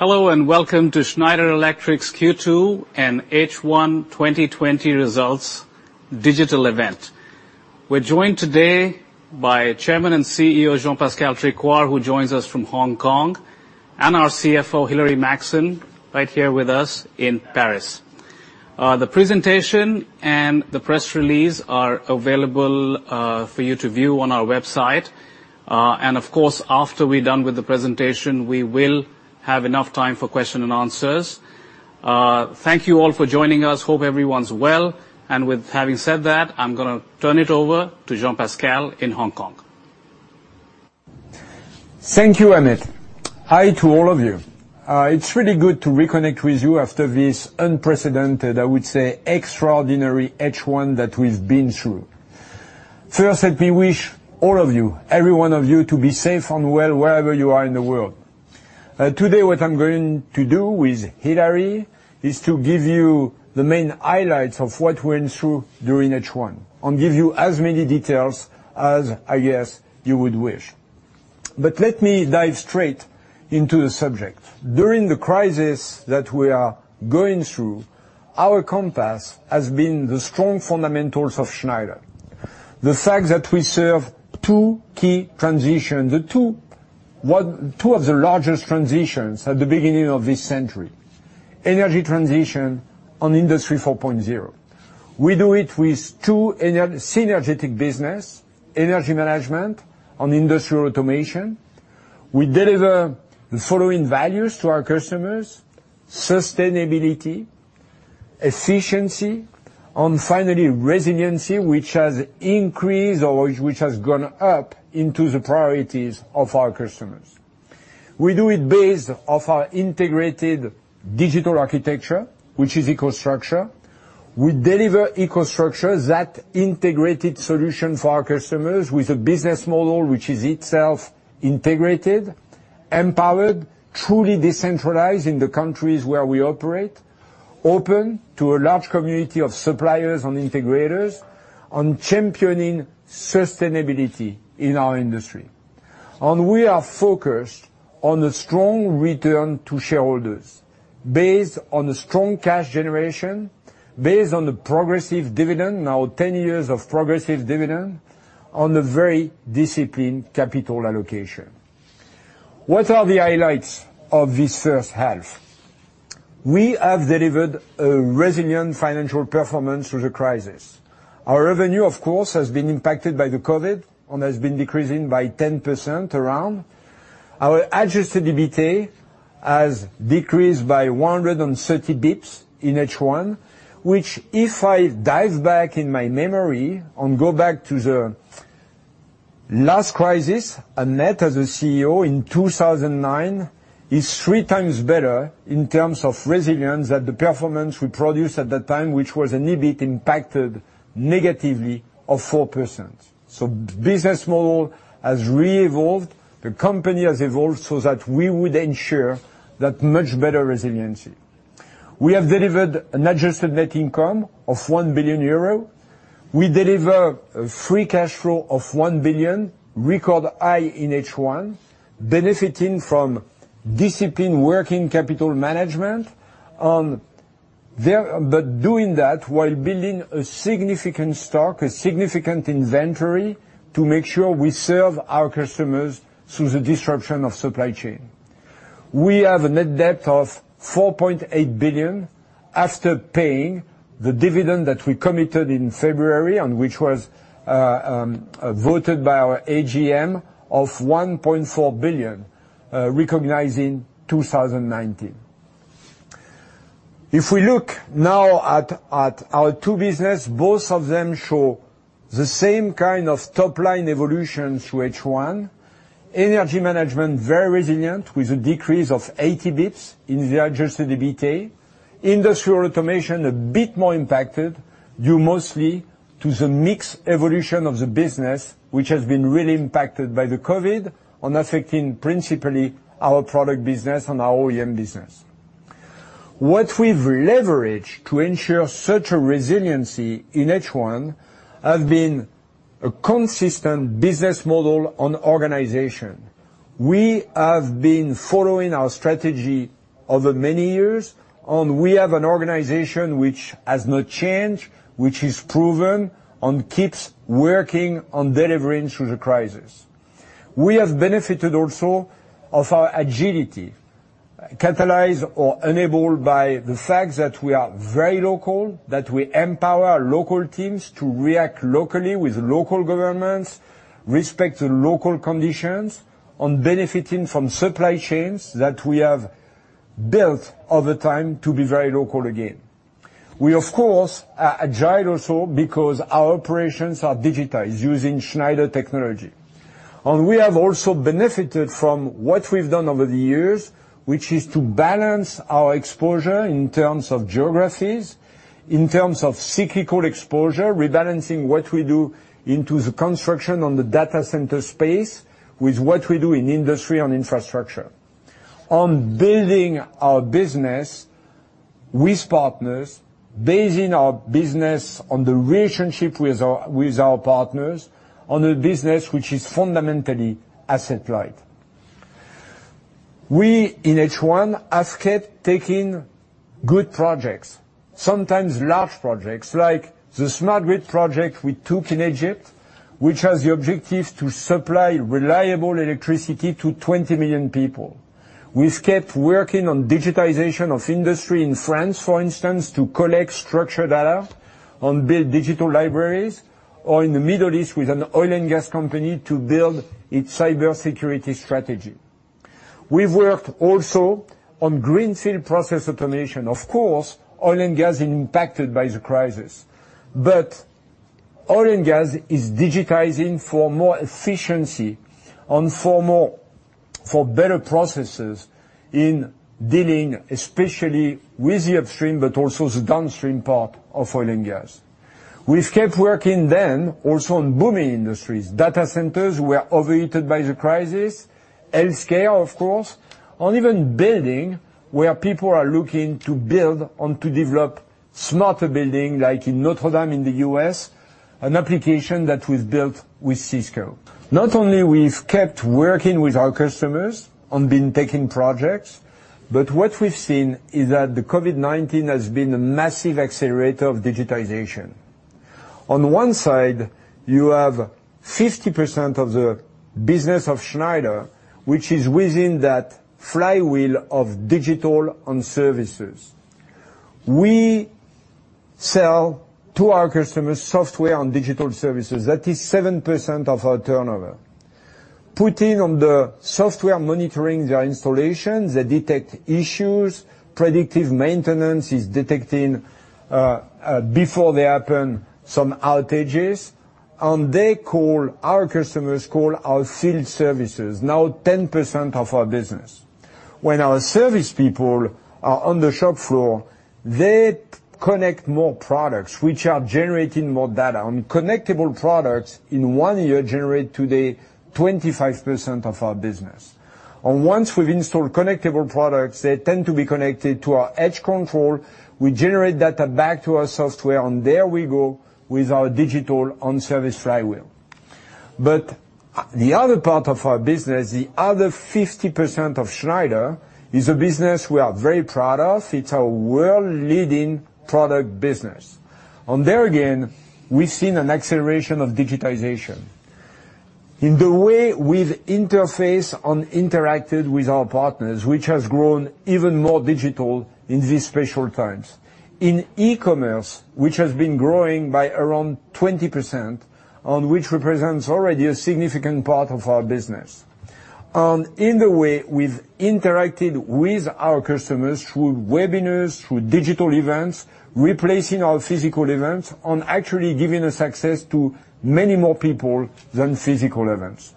Hello, and welcome to Schneider Electric's Q2 and H1 2020 results digital event. We're joined today by Chairman and CEO, Jean-Pascal Tricoire, who joins us from Hong Kong, and our CFO, Hilary Maxson, right here with us in Paris. The presentation and the press release are available for you to view on our website. Of course, after we're done with the presentation, we will have enough time for question and answers. Thank you all for joining us. Hope everyone's well. With having said that, I'm going to turn it over to Jean-Pascal in Hong Kong. Thank you, Amit. Hi to all of you. It's really good to reconnect with you after this unprecedented, I would say, extraordinary H1 that we've been through. First, let me wish all of you, every one of you, to be safe and well wherever you are in the world. Today, what I'm going to do with Hilary is to give you the main highlights of what we're in through during H1 and give you as many details as, I guess, you would wish. Let me dive straight into the subject. During the crisis that we are going through, our compass has been the strong fundamentals of Schneider. The fact that we serve two key transitions, two of the largest transitions at the beginning of this century, energy transition and Industry 4.0. We do it with two synergetic business, Energy Management and Industrial Automation. We deliver the following values to our customers, sustainability, efficiency, finally, resiliency, which has increased or which has gone up into the priorities of our customers. We do it based off our integrated digital architecture, which is EcoStruxure. We deliver EcoStruxure, that integrated solution for our customers with a business model which is itself integrated, empowered, truly decentralized in the countries where we operate, open to a large community of suppliers and integrators on championing sustainability in our industry. We are focused on a strong return to shareholders based on a strong cash generation, based on the progressive dividend, now 10 years of progressive dividend, on a very disciplined capital allocation. What are the highlights of this first half? We have delivered a resilient financial performance through the crisis. Our revenue, of course, has been impacted by the COVID-19 and has been decreasing by 10%, around. Our adjusted EBITA has decreased by 130 basis points in H1, which, if I dive back in my memory and go back to the last crisis, Annette as a CEO in 2009, is three times better in terms of resilience that the performance we produced at that time, which was an EBIT impacted negatively of 4%. Business model has re-evolved. The company has evolved so that we would ensure that much better resiliency. We have delivered an adjusted net income of 1 billion euro. We deliver a free cash flow of 1 billion, record high in H1, benefiting from disciplined working capital management, but doing that while building a significant stock, a significant inventory to make sure we serve our customers through the disruption of supply chain. We have a net debt of 4.8 billion after paying the dividend that we committed in February, and which was voted by our AGM of 1.4 billion recognizing 2019. If we look now at our two business, both of them show the same kind of top-line evolution through H1. Energy Management very resilient with a decrease of 80 basis points in the adjusted EBITDA. Industrial Automation a bit more impacted due mostly to the mix evolution of the business, which has been really impacted by the COVID on affecting principally our product business and our OEM business. What we've leveraged to ensure such a resiliency in H1 have been a consistent business model on organization. We have been following our strategy over many years, we have an organization which has not changed, which is proven and keeps working on delivering through the crisis. We have benefited also of our agility, catalyzed or enabled by the fact that we are very local, that we empower local teams to react locally with local governments, respect the local conditions, and benefiting from supply chains that we have built over time to be very local again. We, of course, are agile also because our operations are digitized using Schneider technology. We have also benefited from what we've done over the years, which is to balance our exposure in terms of geographies, in terms of cyclical exposure, rebalancing what we do into the construction on the data center space with what we do in industry and infrastructure, on building our business with partners, basing our business on the relationship with our partners on a business which is fundamentally asset-light. We, in H1, have kept taking good projects, sometimes large projects like the smart grid project we took in Egypt, which has the objective to supply reliable electricity to 20 million people. We've kept working on digitization of industry in France, for instance, to collect structured data and build digital libraries, or in the Middle East with an oil and gas company to build its cybersecurity strategy. We've worked also on greenfield process automation. Of course, oil and gas is impacted by the crisis, but oil and gas is digitizing for more efficiency and for better processes in dealing, especially with the upstream, but also the downstream part of oil and gas. We've kept working also on booming industries, data centers were overheated by the crisis, healthcare, of course, and even building, where people are looking to build and to develop smarter building, like in Notre Dame in the U.S., an application that we've built with Cisco. Not only we've kept working with our customers and been taking projects, but what we've seen is that the COVID-19 has been a massive accelerator of digitization. On one side, you have 50% of the business of Schneider, which is within that flywheel of digital and services. We sell to our customers software and digital services. That is 7% of our turnover. Putting on the software, monitoring their installations, they detect issues, predictive maintenance is detecting, before they happen, some outages. Our customers call our field services. Now 10% of our business. When our service people are on the shop floor, they connect more products, which are generating more data. Connectable products in one year generate today 25% of our business. Once we've installed connectable products, they tend to be connected to our edge control. We generate data back to our software, and there we go with our digital on-service flywheel. The other part of our business, the other 50% of Schneider, is a business we are very proud of. It's a world-leading product business. There again, we've seen an acceleration of digitization. In the way we've interfaced and interacted with our partners, which has grown even more digital in these special times. In e-commerce, which has been growing by around 20%, and which represents already a significant part of our business. In the way we've interacted with our customers through webinars, through digital events, replacing our physical events, and actually giving us access to many more people than physical events.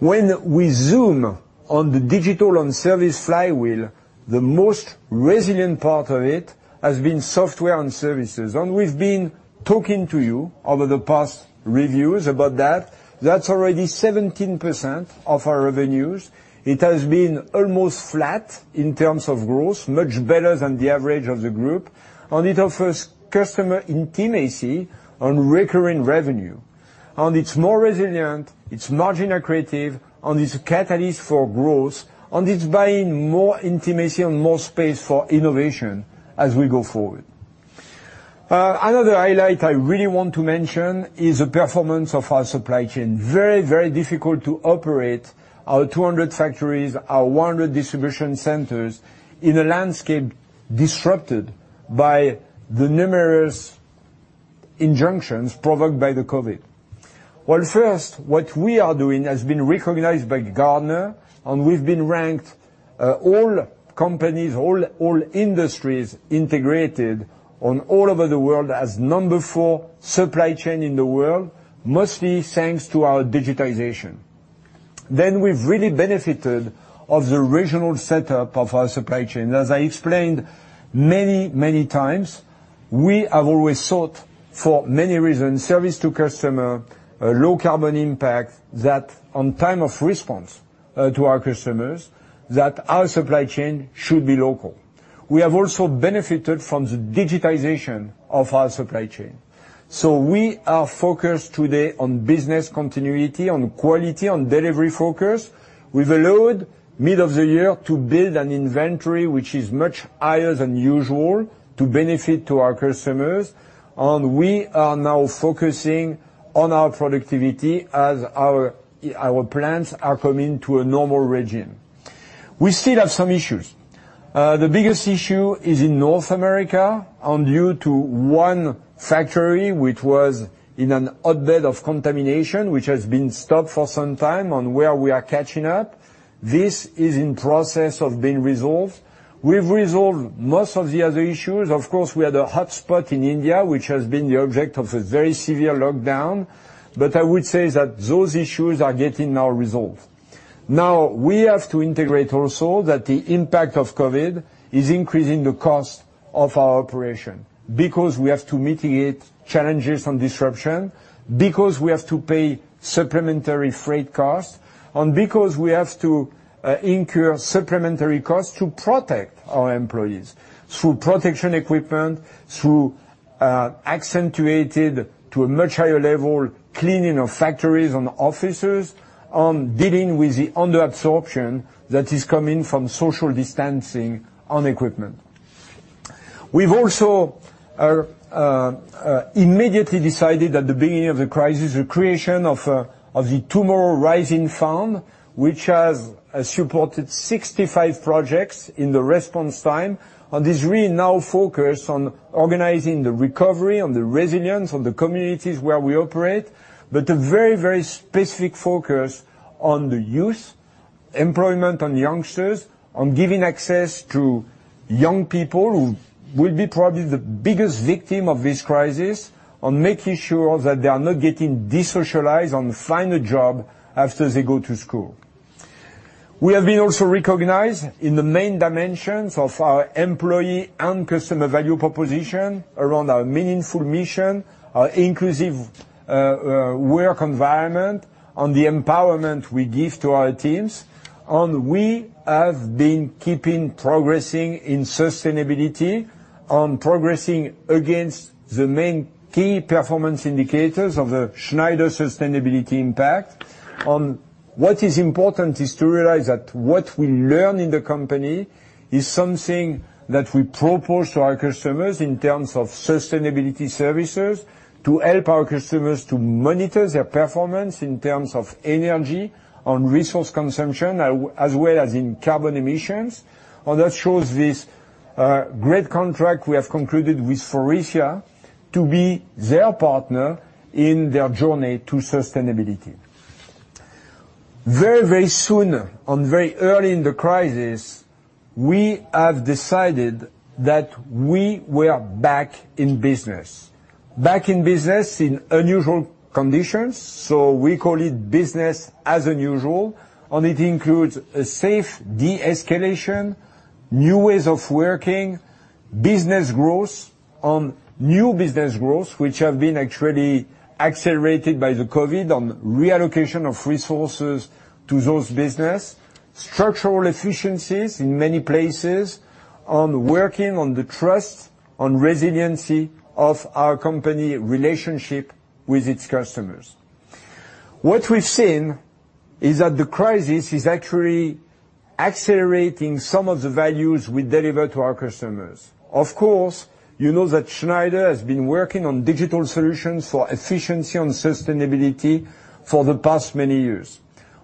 When we zoom on the digital and service flywheel, the most resilient part of it has been software and services. We've been talking to you over the past reviews about that. That's already 17% of our revenues. It has been almost flat in terms of growth, much better than the average of the group, and it offers customer intimacy and recurring revenue. It's more resilient, it's margin accretive, and it's a catalyst for growth, and it's buying more intimacy and more space for innovation as we go forward. Another highlight I really want to mention is the performance of our supply chain. Very, very difficult to operate our 200 factories, our 100 distribution centers in a landscape disrupted by the numerous injunctions provoked by the COVID-19. First, what we are doing has been recognized by Gartner, and we've been ranked, all companies, all industries integrated and all over the world as number four supply chain in the world, mostly thanks to our digitization. We've really benefited of the regional setup of our supply chain. As I explained many, many times, we have always sought, for many reasons, service to customer, low carbon impact, that on time of response to our customers, that our supply chain should be local. We have also benefited from the digitization of our supply chain. We are focused today on business continuity, on quality, on delivery focus. We've allowed mid of the year to build an inventory, which is much higher than usual to benefit to our customers. We are now focusing on our productivity as our plants are coming to a normal regime. We still have some issues. The biggest issue is in North America and due to one factory, which was in a hotbed of contamination, which has been stopped for some time and where we are catching up. This is in process of being resolved. We've resolved most of the other issues. Of course, we had a hotspot in India, which has been the object of a very severe lockdown. I would say that those issues are getting now resolved. We have to integrate also that the impact of COVID-19 is increasing the cost of our operation because we have to mitigate challenges and disruption, because we have to pay supplementary freight costs, and because we have to incur supplementary costs to protect our employees through protection equipment, through accentuated to a much higher level cleaning of factories and offices, and dealing with the under absorption that is coming from social distancing and equipment. We've also immediately decided at the beginning of the crisis, the creation of the Tomorrow Rising Fund, which has supported 65 projects in the response time, and is really now focused on organizing the recovery, on the resilience of the communities where we operate, but a very specific focus on the youth, employment on youngsters, on giving access to young people who will be probably the biggest victim of this crisis, on making sure that they are not getting de-socialized, on find a job after they go to school. We have been also recognized in the main dimensions of our employee and customer value proposition around our meaningful mission, our inclusive work environment, and the empowerment we give to our teams. We have been keeping progressing in sustainability, and progressing against the main key performance indicators of the Schneider Sustainability Impact. What is important is to realize that what we learn in the company is something that we propose to our customers in terms of sustainability services to help our customers to monitor their performance in terms of energy, and resource consumption, as well as in carbon emissions. That shows this great contract we have concluded with Faurecia to be their partner in their journey to sustainability. Very soon, and very early in the crisis, we have decided that we were back in business. Back in business in unusual conditions. We call it business as unusual. It includes a safe de-escalation, new ways of working, business growth, on new business growth, which have been actually accelerated by the COVID-19 and reallocation of resources to those business, structural efficiencies in many places, and working on the trust and resiliency of our company relationship with its customers. What we've seen is that the crisis is actually accelerating some of the values we deliver to our customers. Of course, you know that Schneider has been working on digital solutions for efficiency and sustainability for the past many years.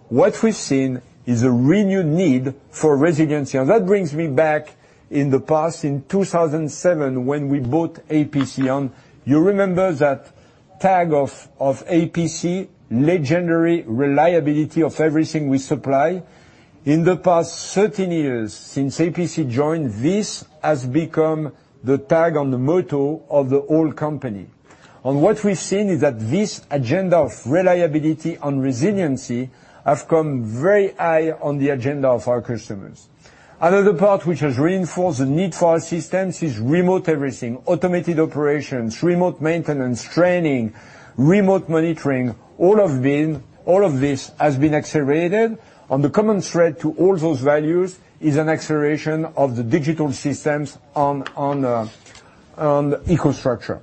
What we've seen is a renewed need for resiliency. That brings me back in the past, in 2007, when we bought APC. You remember that tag of APC, legendary reliability of everything we supply. In the past 13 years since APC joined, this has become the tag on the motto of the whole company. What we've seen is that this agenda of reliability and resiliency have come very high on the agenda of our customers. Another part which has reinforced the need for our systems is remote everything, automated operations, remote maintenance, training, remote monitoring, all of this has been accelerated, and the common thread to all those values is an acceleration of the digital systems on EcoStruxure.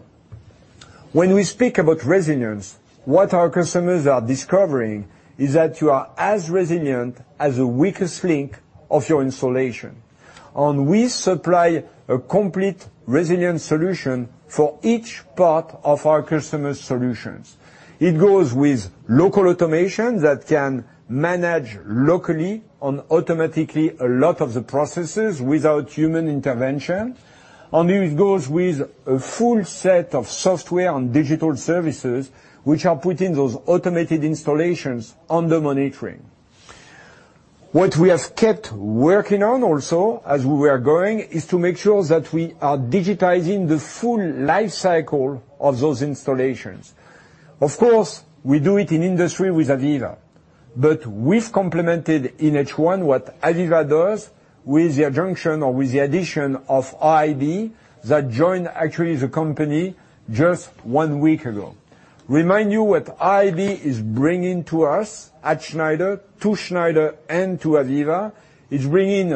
When we speak about resilience, what our customers are discovering is that you are as resilient as the weakest link of your installation. We supply a complete resilient solution for each part of our customer solutions. It goes with local automation that can manage locally and automatically a lot of the processes without human intervention, and it goes with a full set of software and digital services, which are putting those automated installations under monitoring. What we have kept working on also as we were going, is to make sure that we are digitizing the full life cycle of those installations. Of course, we do it in industry with AVEVA, but we've complemented in H1 what AVEVA does with the junction or with the addition of RIB that joined actually the company just one week ago. Remind you what RIB is bringing to us at Schneider, to Schneider and to AVEVA, is bringing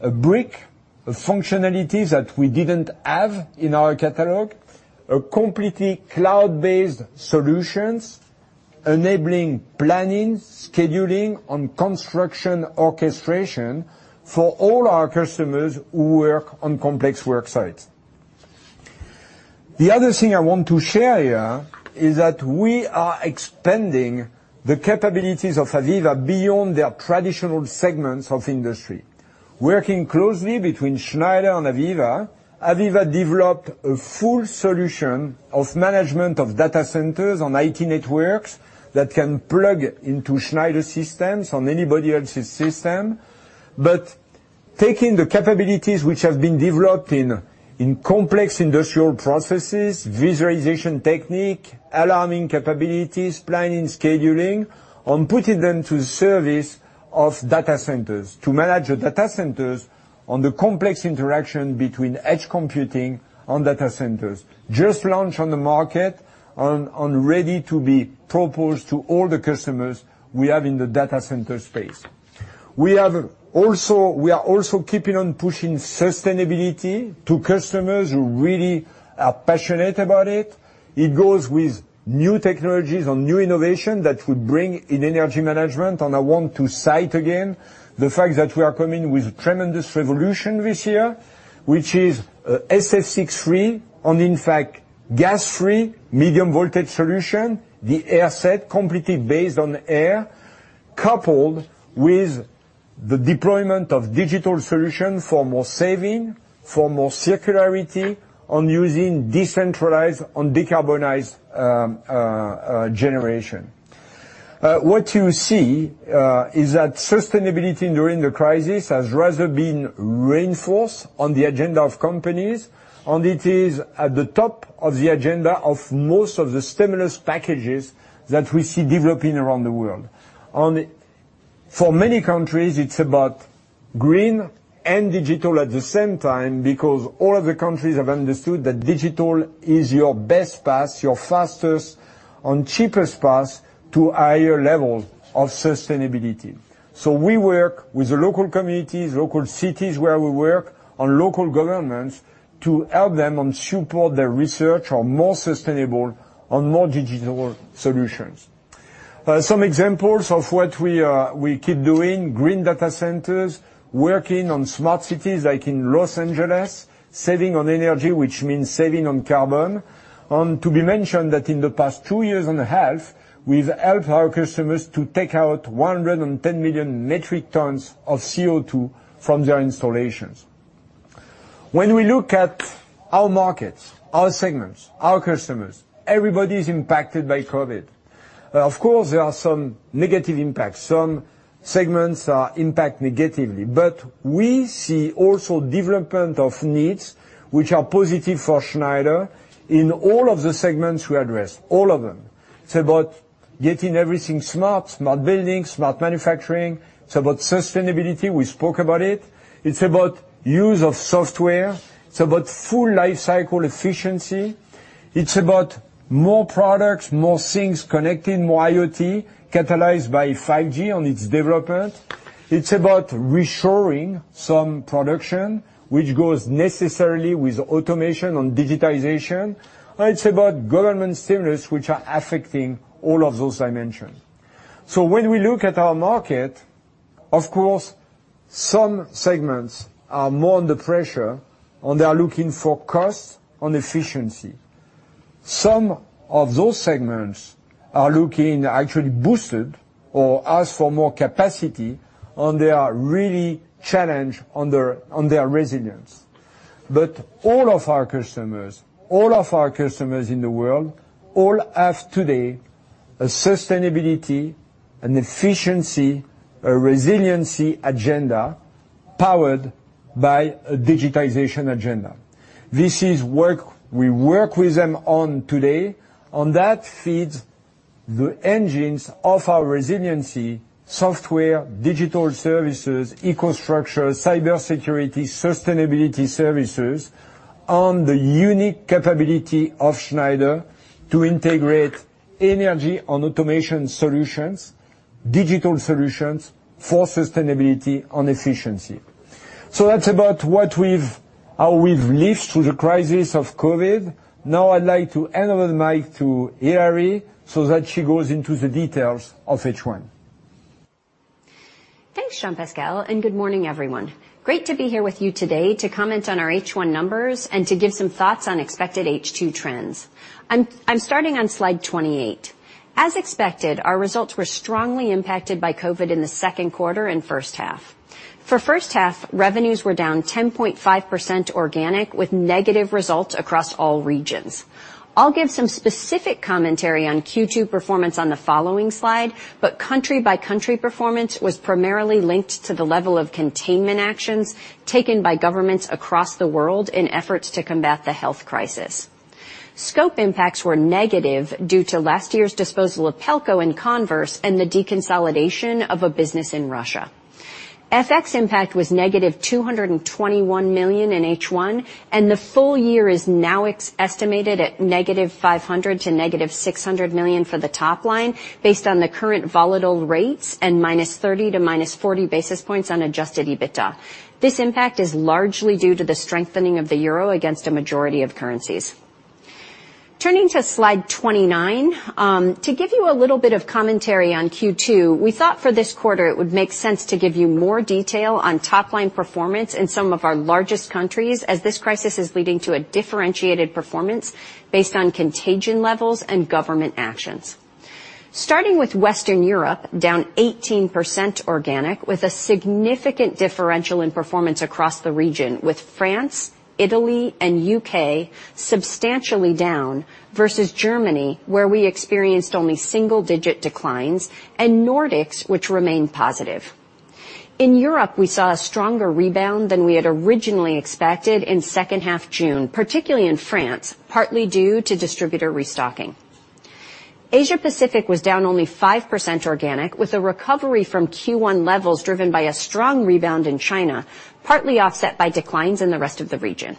a brick of functionalities that we didn't have in our catalog, a completely cloud-based solutions, enabling planning, scheduling, and construction orchestration for all our customers who work on complex work sites. The other thing I want to share here is that we are expanding the capabilities of AVEVA beyond their traditional segments of industry. Working closely between Schneider and AVEVA, AVEVA developed a full solution of management of data centers on IT networks that can plug into Schneider systems, on anybody else's system, taking the capabilities which have been developed in complex industrial processes, visualization technique, alarming capabilities, planning, scheduling, and putting them to service of data centers to manage the data centers on the complex interaction between edge computing and data centers. It was just launched on the market and is ready to be proposed to all the customers we have in the data center space. We are also keeping on pushing sustainability to customers who really are passionate about it. It goes with new technologies and new innovation that would bring in energy management. I want to cite again the fact that we are coming with tremendous revolution this year, which is SF₆-free and in fact gas-free medium voltage solution, the AirSeT completely based on air, coupled with the deployment of digital solutions for more saving, for more circularity on using decentralized and decarbonized generation. What you see is that sustainability during the crisis has rather been reinforced on the agenda of companies, and it is at the top of the agenda of most of the stimulus packages that we see developing around the world. For many countries, it's about green and digital at the same time, because all of the countries have understood that digital is your best path, your fastest and cheapest path to higher levels of sustainability. We work with the local communities, local cities where we work, and local governments to help them and support their research on more sustainable and more digital solutions. Some examples of what we keep doing, green data centers, working on smart cities like in Los Angeles, saving on energy, which means saving on carbon, and to be mentioned that in the past two years and a half, we've helped our customers to take out 110 million metric tons of CO2 from their installations. When we look at our markets, our segments, our customers, everybody is impacted by COVID-19. Of course, there are some negative impacts. Some segments are impact negatively, but we see also development of needs which are positive for Schneider in all of the segments we address, all of them. It's about getting everything smart buildings, smart manufacturing. It's about sustainability, we spoke about it. It's about use of software. It's about full life cycle efficiency. It's about more products, more things connecting, more IoT, catalyzed by 5G and its development. It's about reshoring some production, which goes necessarily with automation and digitization. It's about government stimulus, which are affecting all of those I mentioned. When we look at our market, of course, some segments are more under pressure, and they are looking for cost and efficiency. Some of those segments are looking actually boosted or ask for more capacity, and they are really challenged on their resilience. All of our customers in the world all have today a sustainability and efficiency, a resiliency agenda powered by a digitization agenda. This is work we work with them on today, and that feeds the engines of our resiliency software, digital services, EcoStruxure, cybersecurity, sustainability services, and the unique capability of Schneider to integrate energy and automation solutions, digital solutions for sustainability and efficiency. That's about how we've lived through the crisis of COVID. I'd like to hand over the mic to Hilary so that she goes into the details of H1. Thanks, Jean-Pascal, and good morning, everyone. Great to be here with you today to comment on our H1 numbers and to give some thoughts on expected H2 trends. I'm starting on slide 28. As expected, our results were strongly impacted by COVID-19 in the second quarter and first half. For first half, revenues were down 10.5% organic, with negative results across all regions. I'll give some specific commentary on Q2 performance on the following slide, but country-by-country performance was primarily linked to the level of containment actions taken by governments across the world in efforts to combat the health crisis. Scope impacts were negative due to last year's disposal of Pelco and Converse and the deconsolidation of a business in Russia. FX impact was -221 million in H1. The full year is now estimated at -500 million to -600 million for the top line based on the current volatile rates and -30 to -40 basis points on adjusted EBITA. This impact is largely due to the strengthening of the Euro against a majority of currencies. Turning to slide 29, to give you a little bit of commentary on Q2, we thought for this quarter it would make sense to give you more detail on top-line performance in some of our largest countries, as this crisis is leading to a differentiated performance based on contagion levels and government actions. Starting with Western Europe, down 18% organic, with a significant differential in performance across the region, with France, Italy, and U.K. substantially down versus Germany, where we experienced only single-digit declines, and Nordics, which remained positive. In Europe, we saw a stronger rebound than we had originally expected in second half June, particularly in France, partly due to distributor restocking. Asia-Pacific was down only 5% organic, with a recovery from Q1 levels driven by a strong rebound in China, partly offset by declines in the rest of the region.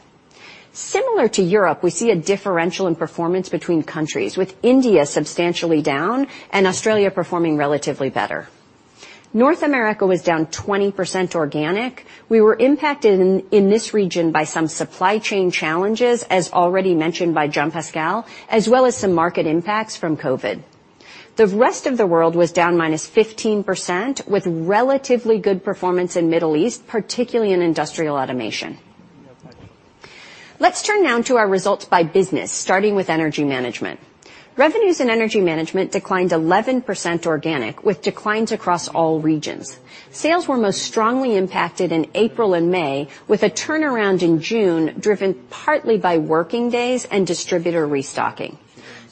Similar to Europe, we see a differential in performance between countries, with India substantially down and Australia performing relatively better. North America was down 20% organic. We were impacted in this region by some supply chain challenges, as already mentioned by Jean-Pascal, as well as some market impacts from COVID-19. The rest of the world was down -15%, with relatively good performance in Middle East, particularly in Industrial Automation. Let's turn now to our results by business, starting with Energy Management. Revenues in Energy Management declined 11% organic, with declines across all regions. Sales were most strongly impacted in April and May, with a turnaround in June, driven partly by working days and distributor restocking.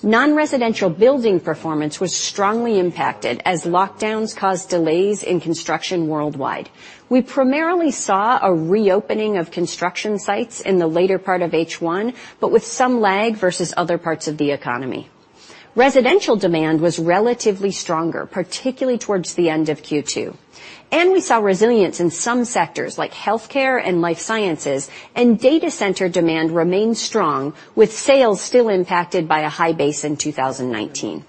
Non-residential building performance was strongly impacted as lockdowns caused delays in construction worldwide. We primarily saw a reopening of construction sites in the later part of H1, but with some lag versus other parts of the economy. Residential demand was relatively stronger, particularly towards the end of Q2. We saw resilience in some sectors like healthcare and life sciences, and data center demand remained strong, with sales still impacted by a high base in 2019.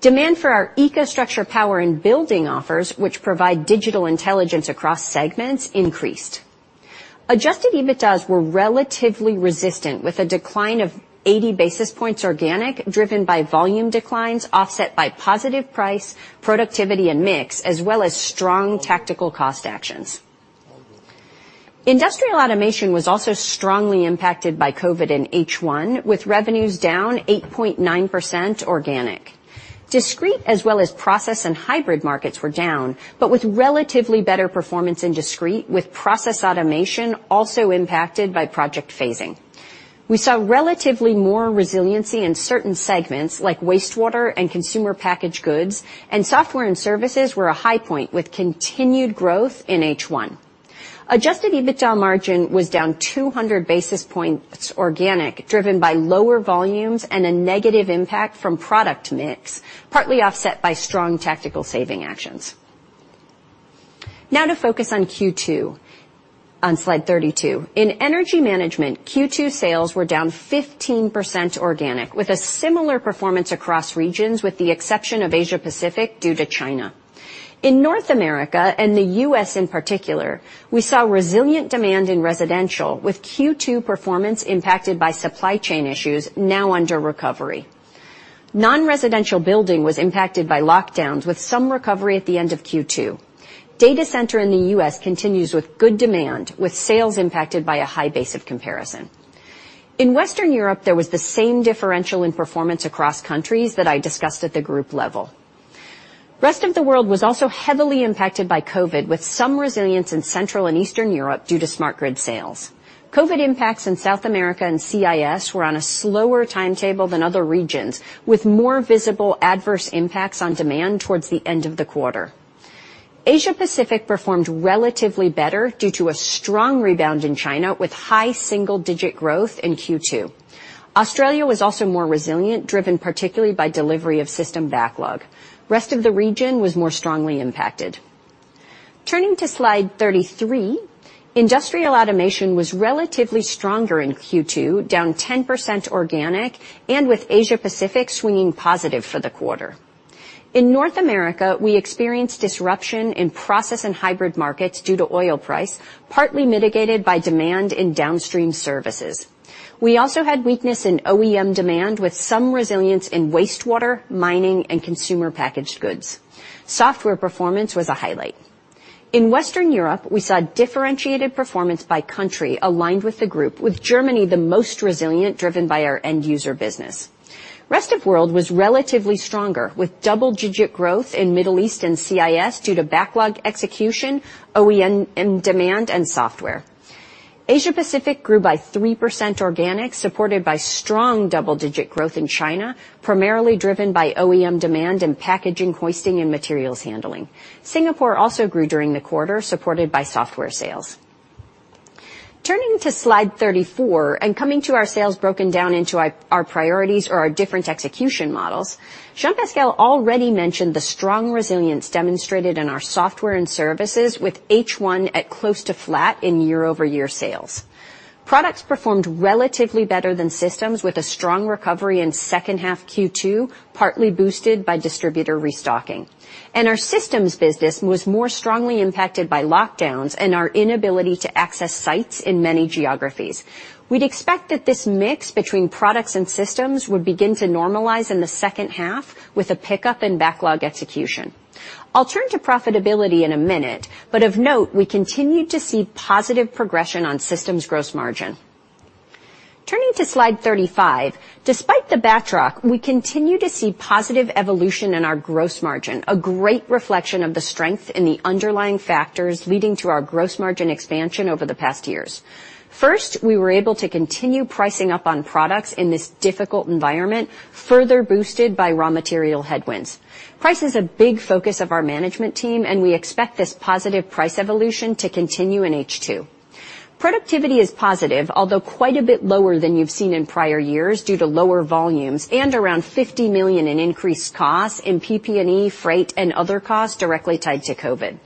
Demand for our EcoStruxure power and building offers, which provide digital intelligence across segments, increased. adjusted EBITAs were relatively resistant, with a decline of 80 basis points organic, driven by volume declines offset by positive price, productivity, and mix, as well as strong tactical cost actions. Industrial Automation was also strongly impacted by COVID in H1, with revenues down 8.9% organic. Discrete, as well as process and hybrid markets were down, but with relatively better performance in discrete, with process automation also impacted by project phasing. We saw relatively more resiliency in certain segments like wastewater and consumer packaged goods, and software and services were a high point, with continued growth in H1. Adjusted EBITDA margin was down 200 basis points organic, driven by lower volumes and a negative impact from product mix, partly offset by strong tactical saving actions. To focus on Q2, on slide 32. In energy management, Q2 sales were down 15% organic with a similar performance across regions, with the exception of Asia-Pacific due to China. In North America and the U.S. in particular, we saw resilient demand in residential with Q2 performance impacted by supply chain issues now under recovery. Non-residential building was impacted by lockdowns with some recovery at the end of Q2. Data center in the U.S. continues with good demand, with sales impacted by a high base of comparison. In Western Europe, there was the same differential in performance across countries that I discussed at the group level. Rest of the world was also heavily impacted by COVID, with some resilience in Central and Eastern Europe due to smart grid sales. COVID impacts in South America and CIS were on a slower timetable than other regions, with more visible adverse impacts on demand towards the end of the quarter. Asia-Pacific performed relatively better due to a strong rebound in China with high single-digit growth in Q2. Australia was also more resilient, driven particularly by delivery of system backlog. Rest of the region was more strongly impacted. Turning to slide 33, Industrial Automation was relatively stronger in Q2, down 10% organic and with Asia-Pacific swinging positive for the quarter. In North America, we experienced disruption in process and hybrid markets due to oil price, partly mitigated by demand in downstream services. We also had weakness in OEM demand with some resilience in wastewater, mining, and consumer packaged goods. Software performance was a highlight. In Western Europe, we saw differentiated performance by country aligned with the group, with Germany the most resilient, driven by our end-user business. Rest of world was relatively stronger, with double-digit growth in Middle East and CIS due to backlog execution, OEM demand, and software. Asia-Pacific grew by 3% organic, supported by strong double-digit growth in China, primarily driven by OEM demand in packaging, hoisting, and materials handling. Singapore also grew during the quarter, supported by software sales. Turning to slide 34 and coming to our sales broken down into our priorities or our different execution models, Jean-Pascal already mentioned the strong resilience demonstrated in our Software and Services with H1 at close to flat in year-over-year sales. Products performed relatively better than systems, with a strong recovery in second half Q2, partly boosted by distributor restocking. Our Systems business was more strongly impacted by lockdowns and our inability to access sites in many geographies. We'd expect that this mix between Products and Systems would begin to normalize in the second half with a pickup in backlog execution. I'll turn to profitability in a minute, but of note, we continued to see positive progression on Systems gross margin. Turning to slide 35, despite the backtrack, we continue to see positive evolution in our gross margin, a great reflection of the strength in the underlying factors leading to our gross margin expansion over the past years. First, we were able to continue pricing up on products in this difficult environment, further boosted by raw material headwinds. Price is a big focus of our management team, and we expect this positive price evolution to continue in H2. Productivity is positive, although quite a bit lower than you've seen in prior years due to lower volumes and around 50 million in increased costs in PP&E, freight, and other costs directly tied to COVID.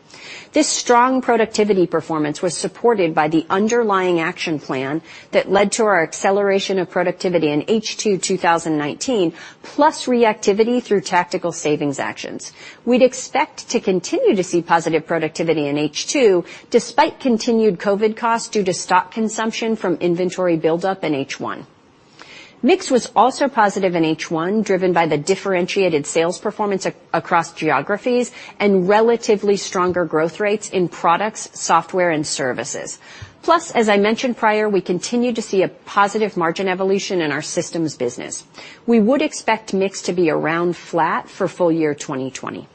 This strong productivity performance was supported by the underlying action plan that led to our acceleration of productivity in H2 2019, plus reactivity through tactical savings actions. We'd expect to continue to see positive productivity in H2, despite continued COVID-19 costs due to stock consumption from inventory build-up in H1. Mix was also positive in H1, driven by the differentiated sales performance across geographies and relatively stronger growth rates in products, software, and services. As I mentioned prior, we continue to see a positive margin evolution in our Systems business. We would expect mix to be around flat for full year 2020.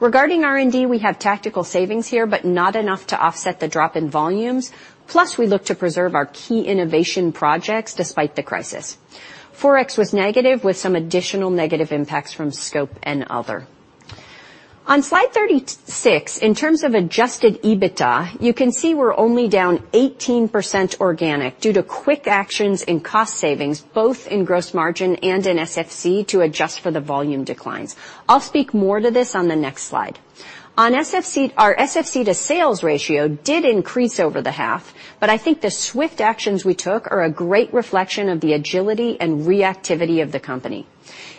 Regarding R&D, we have tactical savings here, not enough to offset the drop in volumes. We look to preserve our key innovation projects despite the crisis. Forex was negative, with some additional negative impacts from scope and other. On slide 36, in terms of adjusted EBITA, you can see we're only down 18% organic due to quick actions in cost savings, both in gross margin and in SFC to adjust for the volume declines. I'll speak more to this on the next slide. Our SFC to sales ratio did increase over the half, but I think the swift actions we took are a great reflection of the agility and reactivity of the company.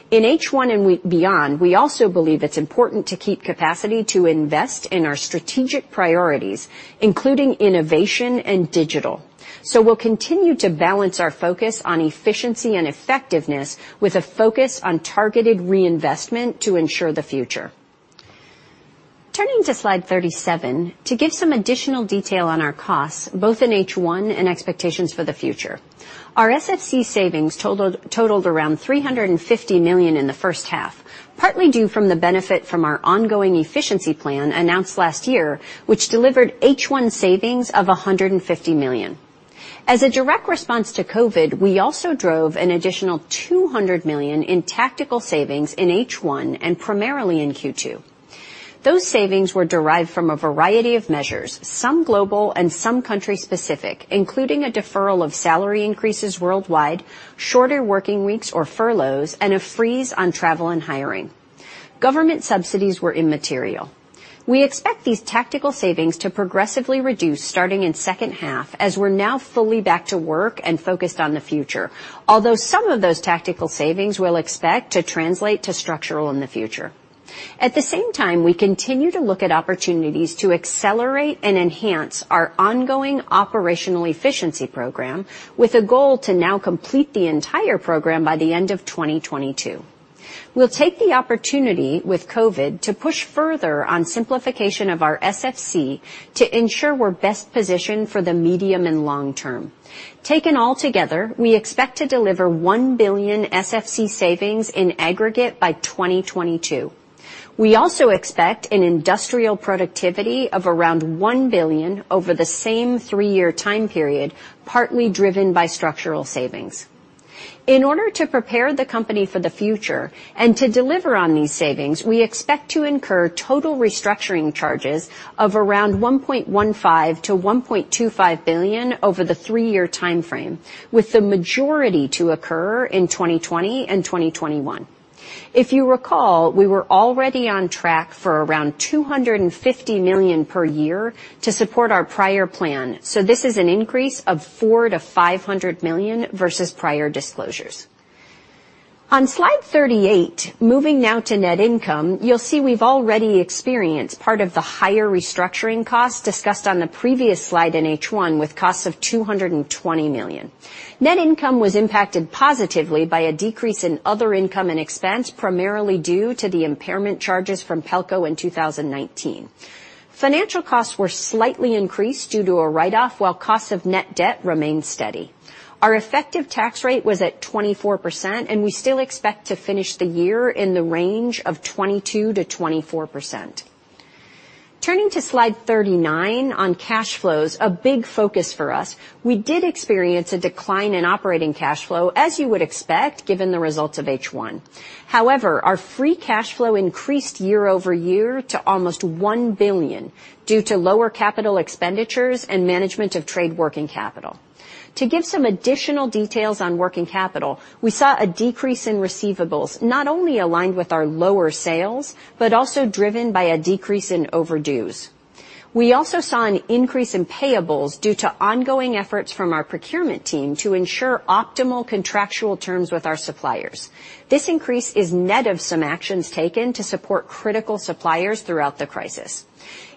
In H1 and beyond, we also believe it's important to keep capacity to invest in our strategic priorities, including innovation and digital. We'll continue to balance our focus on efficiency and effectiveness with a focus on targeted reinvestment to ensure the future. Turning to slide 37, to give some additional detail on our costs, both in H1 and expectations for the future. Our SFC savings totaled around 350 million in the first half, partly due from the benefit from our ongoing efficiency plan announced last year, which delivered H1 savings of 150 million. As a direct response to COVID, we also drove an additional 200 million in tactical savings in H1 and primarily in Q2. Those savings were derived from a variety of measures, some global and some country-specific, including a deferral of salary increases worldwide, shorter working weeks or furloughs, and a freeze on travel and hiring. Government subsidies were immaterial. We expect these tactical savings to progressively reduce starting in second half as we're now fully back to work and focused on the future. Some of those tactical savings we'll expect to translate to structural in the future. At the same time, we continue to look at opportunities to accelerate and enhance our ongoing operational efficiency program with a goal to now complete the entire program by the end of 2022. We will take the opportunity with COVID to push further on simplification of our SFC to ensure we are best positioned for the medium and long term. Taken all together, we expect to deliver 1 billion SFC savings in aggregate by 2022. We also expect an industrial productivity of around 1 billion over the same three-year time period, partly driven by structural savings. In order to prepare the company for the future and to deliver on these savings, we expect to incur total restructuring charges of around 1.15 billion-1.25 billion over the three-year timeframe, with the majority to occur in 2020 and 2021. If you recall, we were already on track for around 250 million per year to support our prior plan, so this is an increase of 400 million-500 million versus prior disclosures. On slide 38, moving now to net income, you'll see we've already experienced part of the higher restructuring cost discussed on the previous slide in H1 with costs of 220 million. Net income was impacted positively by a decrease in other income and expense, primarily due to the impairment charges from Pelco in 2019. Financial costs were slightly increased due to a write-off while costs of net debt remained steady. Our effective tax rate was at 24%, and we still expect to finish the year in the range of 22%-24%. Turning to slide 39 on cash flows, a big focus for us. We did experience a decline in operating cash flow, as you would expect, given the results of H1. However, our free cash flow increased year-over-year to almost 1 billion due to lower capital expenditures and management of trade working capital. To give some additional details on working capital, we saw a decrease in receivables, not only aligned with our lower sales, but also driven by a decrease in overdues. We also saw an increase in payables due to ongoing efforts from our procurement team to ensure optimal contractual terms with our suppliers. This increase is net of some actions taken to support critical suppliers throughout the crisis.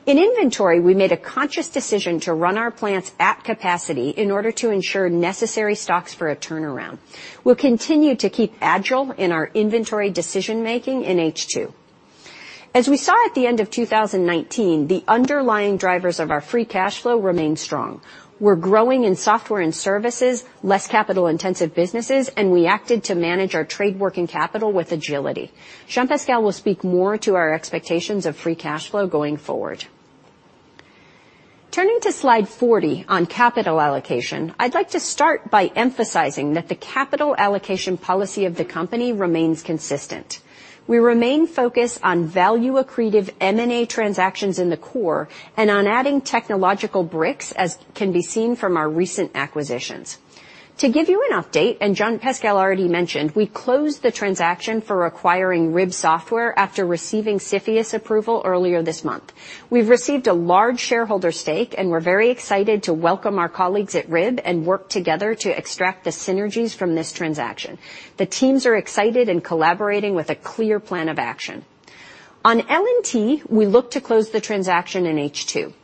In inventory, we made a conscious decision to run our plants at capacity in order to ensure necessary stocks for a turnaround. We'll continue to keep agile in our inventory decision-making in H2. As we saw at the end of 2019, the underlying drivers of our free cash flow remain strong. We're growing in Software and Services, less capital-intensive businesses, and we acted to manage our trade working capital with agility. Jean-Pascal will speak more to our expectations of free cash flow going forward. Turning to slide 40 on capital allocation, I'd like to start by emphasizing that the capital allocation policy of the company remains consistent. We remain focused on value-accretive M&A transactions in the core and on adding technological bricks, as can be seen from our recent acquisitions. To give you an update, Jean-Pascal already mentioned, we closed the transaction for acquiring RIB Software after receiving CFIUS approval earlier this month. We've received a large shareholder stake, we're very excited to welcome our colleagues at RIB and work together to extract the synergies from this transaction. The teams are excited and collaborating with a clear plan of action. On L&T, we look to close the transaction in H2.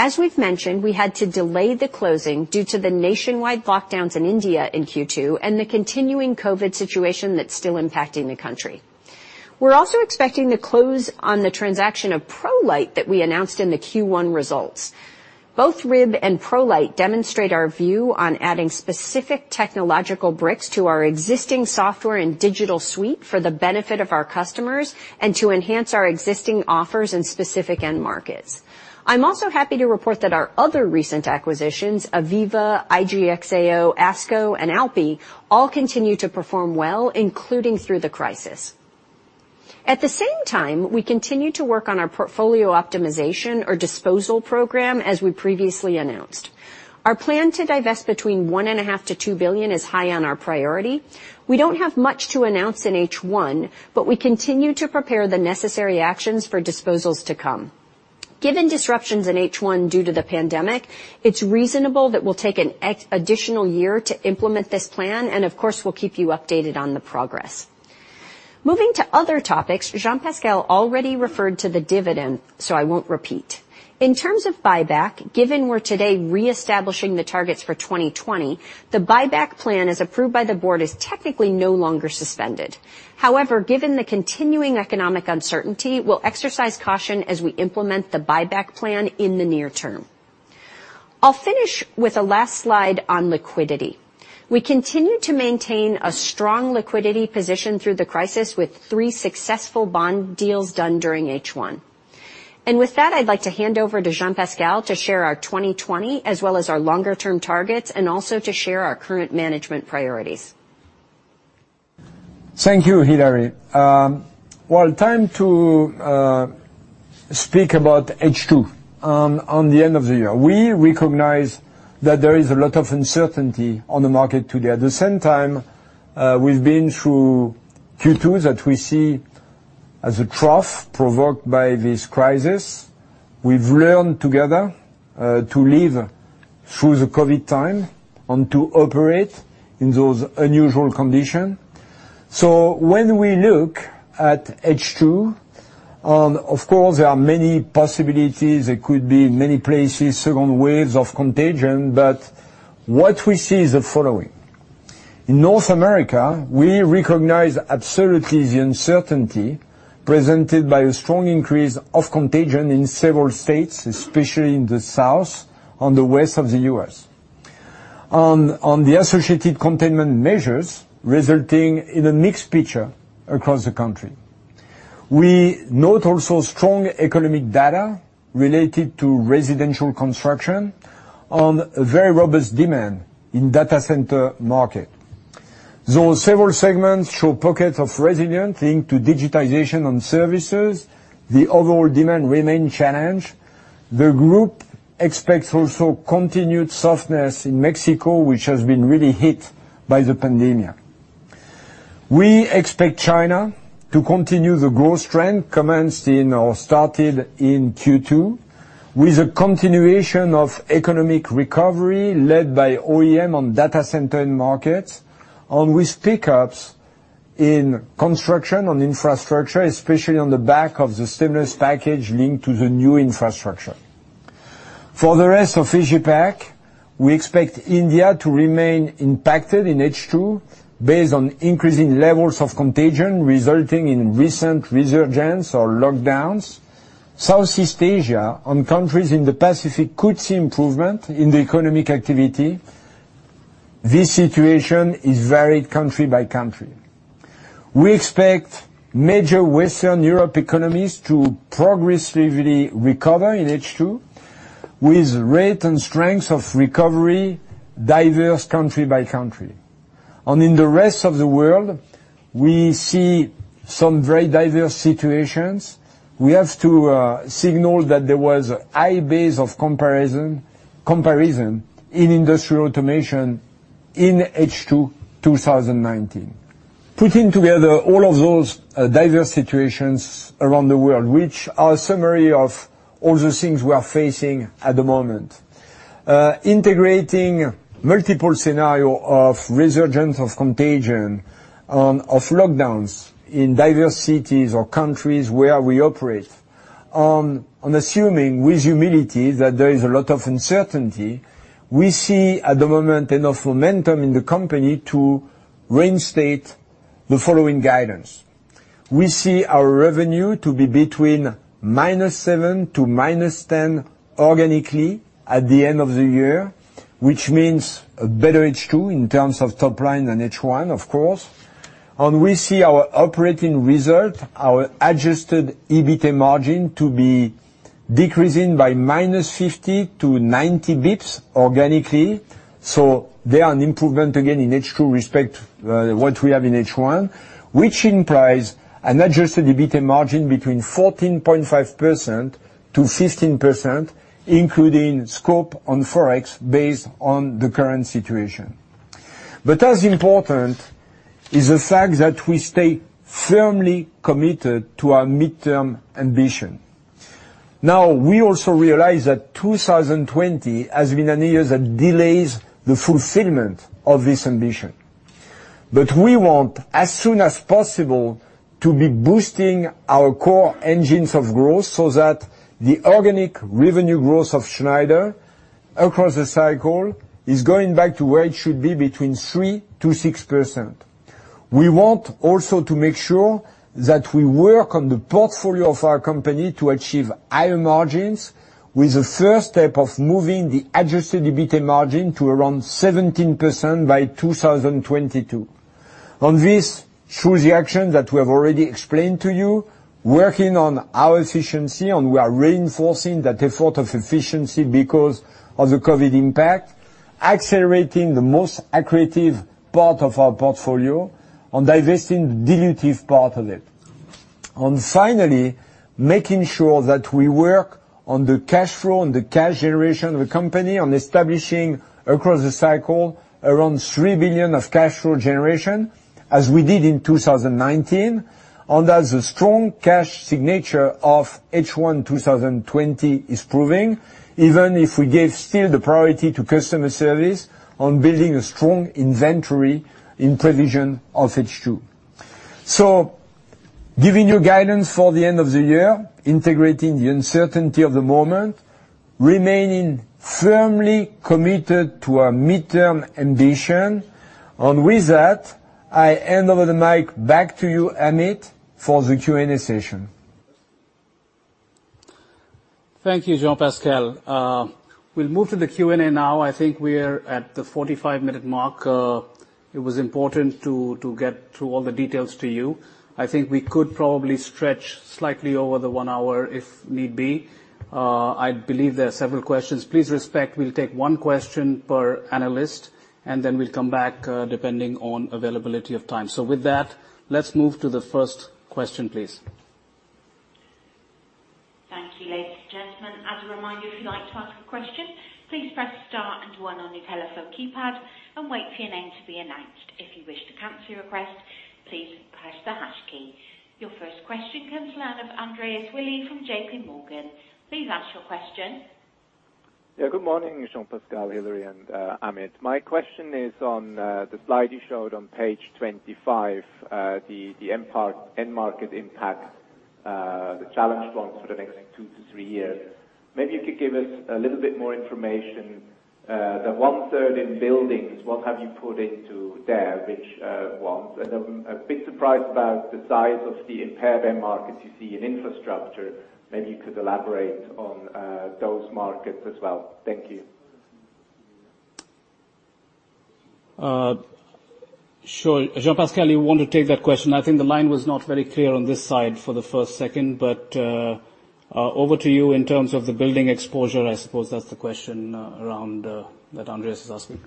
As we've mentioned, we had to delay the closing due to the nationwide lockdowns in India in Q2 and the continuing COVID situation that's still impacting the country. We're also expecting to close on the transaction of ProLeiT that we announced in the Q1 results. Both RIB and ProLeiT demonstrate our view on adding specific technological bricks to our existing software and digital suite for the benefit of our customers and to enhance our existing offers in specific end markets. I'm also happy to report that our other recent acquisitions, AVEVA, IGE+XAO, ASCO, and ALPI, all continue to perform well, including through the crisis. At the same time, we continue to work on our portfolio optimization or disposal program as we previously announced. Our plan to divest between 1.5 billion-2 billion is high on our priority. We don't have much to announce in H1. We continue to prepare the necessary actions for disposals to come. Given disruptions in H1 due to the pandemic, it's reasonable that we'll take an additional year to implement this plan. Of course, we'll keep you updated on the progress. Moving to other topics, Jean-Pascal already referred to the dividend. I won't repeat. In terms of buyback, given we're today reestablishing the targets for 2020, the buyback plan as approved by the board is technically no longer suspended. However, given the continuing economic uncertainty, we'll exercise caution as we implement the buyback plan in the near term. I'll finish with the last slide on liquidity. We continue to maintain a strong liquidity position through the crisis with three successful bond deals done during H1. With that, I'd like to hand over to Jean-Pascal to share our 2020 as well as our longer-term targets and also to share our current management priorities. Thank you, Hilary. Well, time to speak about H2 and the end of the year. We recognize that there is a lot of uncertainty on the market today. At the same time, we've been through Q2 that we see as a trough provoked by this crisis. We've learned together to live through the COVID time and to operate in those unusual conditions. When we look at H2, of course, there are many possibilities. There could be many places, second waves of contagion. What we see is the following. In North America, we recognize absolutely the uncertainty presented by a strong increase of contagion in several states, especially in the South and the West of the U.S., and the associated containment measures resulting in a mixed picture across the country. We note also strong economic data related to residential construction and very robust demand in data center market. Though several segments show pockets of resilience linked to digitization and services, the overall demand remain challenged. The group expects also continued softness in Mexico, which has been really hit by the pandemic. We expect China to continue the growth trend commenced in or started in Q2 with a continuation of economic recovery led by OEM and data center end markets and with pickups in construction and infrastructure, especially on the back of the stimulus package linked to the new infrastructure. For the rest of Asia Pac, we expect India to remain impacted in H2 based on increasing levels of contagion resulting in recent resurgence or lockdowns. Southeast Asia and countries in the Pacific could see improvement in the economic activity. This situation is varied country by country. We expect major Western Europe economies to progressively recover in H2 with rate and strength of recovery diverse country by country. In the rest of the world, we see some very diverse situations. We have to signal that there was a high base of comparison in Industrial Automation in H2 2019. Putting together all of those diverse situations around the world, which are a summary of all the things we are facing at the moment, integrating multiple scenarios of resurgence of contagion, of lockdowns in diverse cities or countries where we operate, and assuming with humility that there is a lot of uncertainty, we see at the moment enough momentum in the company to reinstate the following guidance. We see our revenue to be between -7% to -10% organically at the end of the year, which means a better H2 in terms of top line than H1, of course. We see our operating result, our adjusted EBITA margin to be decreasing by -50 basis points to -90 basis points organically. They are an improvement again in H2 respect, what we have in H1, which implies an adjusted EBITA margin between 14.5%-15%, including scope on forex based on the current situation. As important is the fact that we stay firmly committed to our midterm ambition. We also realize that 2020 has been a year that delays the fulfillment of this ambition. We want, as soon as possible, to be boosting our core engines of growth so that the organic revenue growth of Schneider across the cycle is going back to where it should be, between 3%-6%. We want also to make sure that we work on the portfolio of our company to achieve higher margins with the first step of moving the adjusted EBITA margin to around 17% by 2022. Through the action that we have already explained to you, working on our efficiency, we are reinforcing that effort of efficiency because of the COVID-19 impact, accelerating the most accretive part of our portfolio and divesting the dilutive part of it. Finally, making sure that we work on the cash flow and the cash generation of the company on establishing across the cycle around 3 billion of cash flow generation, as we did in 2019, and as a strong cash signature of H1 2020 is proving, even if we gave still the priority to customer service on building a strong inventory in provision of H2. Giving you guidance for the end of the year, integrating the uncertainty of the moment, remaining firmly committed to our midterm ambition. With that, I hand over the mic back to you, Amit, for the Q&A session. Thank you, Jean-Pascal. We'll move to the Q&A now. I think we're at the 45-minute mark. It was important to get through all the details to you. I think we could probably stretch slightly over the one hour if need be. I believe there are several questions. Please respect, we'll take one question per analyst, and then we'll come back, depending on availability of time. With that, let's move to the first question, please. Thank you, ladies and gentlemen. As a reminder, if you'd like to ask a question, please press star and one on your telephone keypad and wait for your name to be announced. If you wish to cancel your request, please press the hash key. Your first question comes the line of Andreas Willi from JPMorgan. Please ask your question. Yeah, good morning, Jean-Pascal, Hilary, and Amit. My question is on the slide you showed on page 25, the end-market impact, the challenged ones for the next two to three years. Maybe you could give us a little bit more information. The 1/3 in buildings, what have you put into there? Which ones? And I am a bit surprised about the size of the impaired end markets you see in infrastructure. Maybe you could elaborate on those markets as well. Thank you. Sure. Jean-Pascal, you want to take that question? I think the line was not very clear on this side for the first second, but over to you in terms of the building exposure, I suppose that's the question around that Andreas is asking.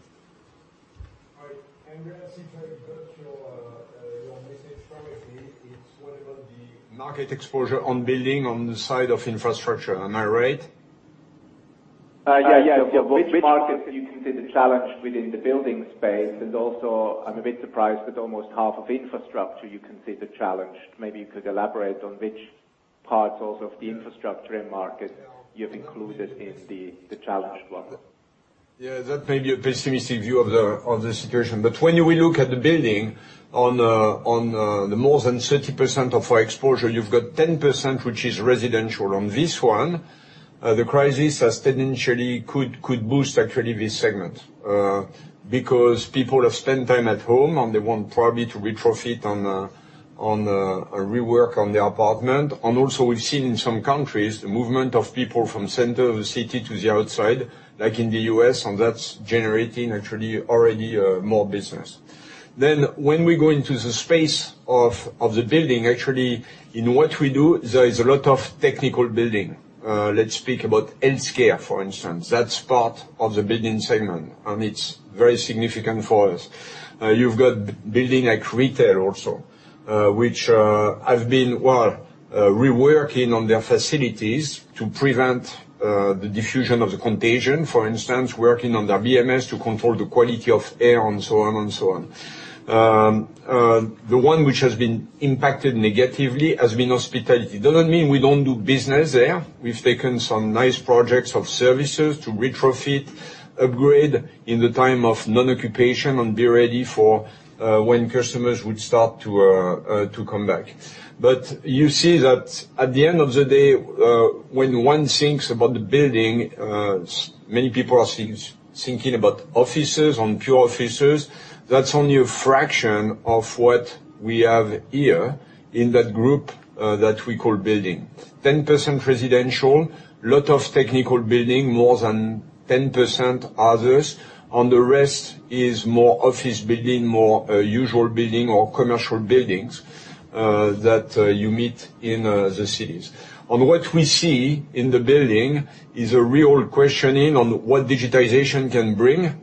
All right. Andreas, if I got your message correctly, it's what about the market exposure on building on the side of infrastructure. Am I right? Yeah. Which markets do you consider challenged within the building space? Also, I'm a bit surprised that almost half of infrastructure you consider challenged. Maybe you could elaborate on which parts also of the infrastructure end market you've included in the challenged one? Yeah, that may be a pessimistic view of the situation. When we look at the building on the more than 30% of our exposure, you've got 10%, which is residential on this one. The crisis has steadily could boost actually this segment, because people have spent time at home, and they want probably to retrofit and rework on the apartment. Also, we've seen in some countries, the movement of people from center of the city to the outside, like in the U.S., and that's generating actually already more business. When we go into the space of the building, actually in what we do, there is a lot of technical building. Let's speak about healthcare, for instance. That's part of the building segment, and it's very significant for us. You've got building like retail also, which have been, well, reworking on their facilities to prevent the diffusion of the contagion, for instance, working on their BMS to control the quality of air and so on and so on. The one which has been impacted negatively has been hospitality. It doesn't mean we don't do business there. We've taken some nice projects of services to retrofit, upgrade in the time of non-occupation and be ready for when customers would start to come back. You see that at the end of the day, when one thinks about the building, many people are thinking about offices on pure offices. That's only a fraction of what we have here in that group that we call building. 10% residential, lot of technical building, more than 10% others, the rest is more office building, more usual building or commercial buildings that you meet in the cities. What we see in the building is a real questioning on what digitization can bring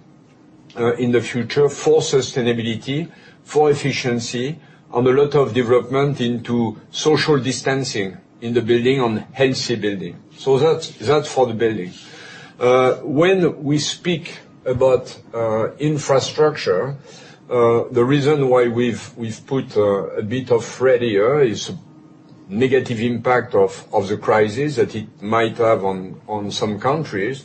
in the future for sustainability, for efficiency, and a lot of development into social distancing in the building, on healthy building. That's for the building. When we speak about infrastructure, the reason why we've put a bit of red here is negative impact of the crisis that it might have on some countries.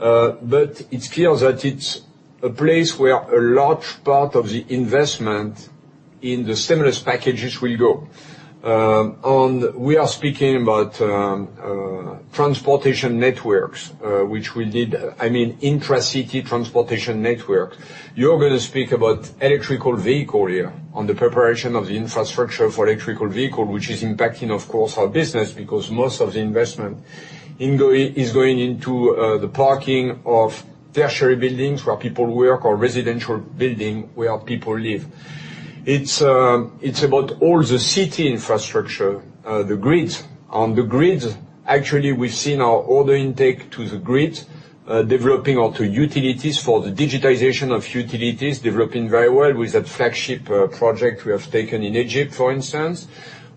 It's clear that it's a place where a large part of the investment in the stimulus packages will go. We are speaking about transportation networks, which will need intracity transportation network. You're going to speak about electrical vehicle here, on the preparation of the infrastructure for electrical vehicle, which is impacting, of course, our business because most of the investment is going into the parking of tertiary buildings where people work or residential building where people live. It's about all the city infrastructure, the grids. The grids, actually, we've seen our order intake to the grid developing onto utilities for the digitization of utilities, developing very well with that flagship project we have taken in Egypt, for instance,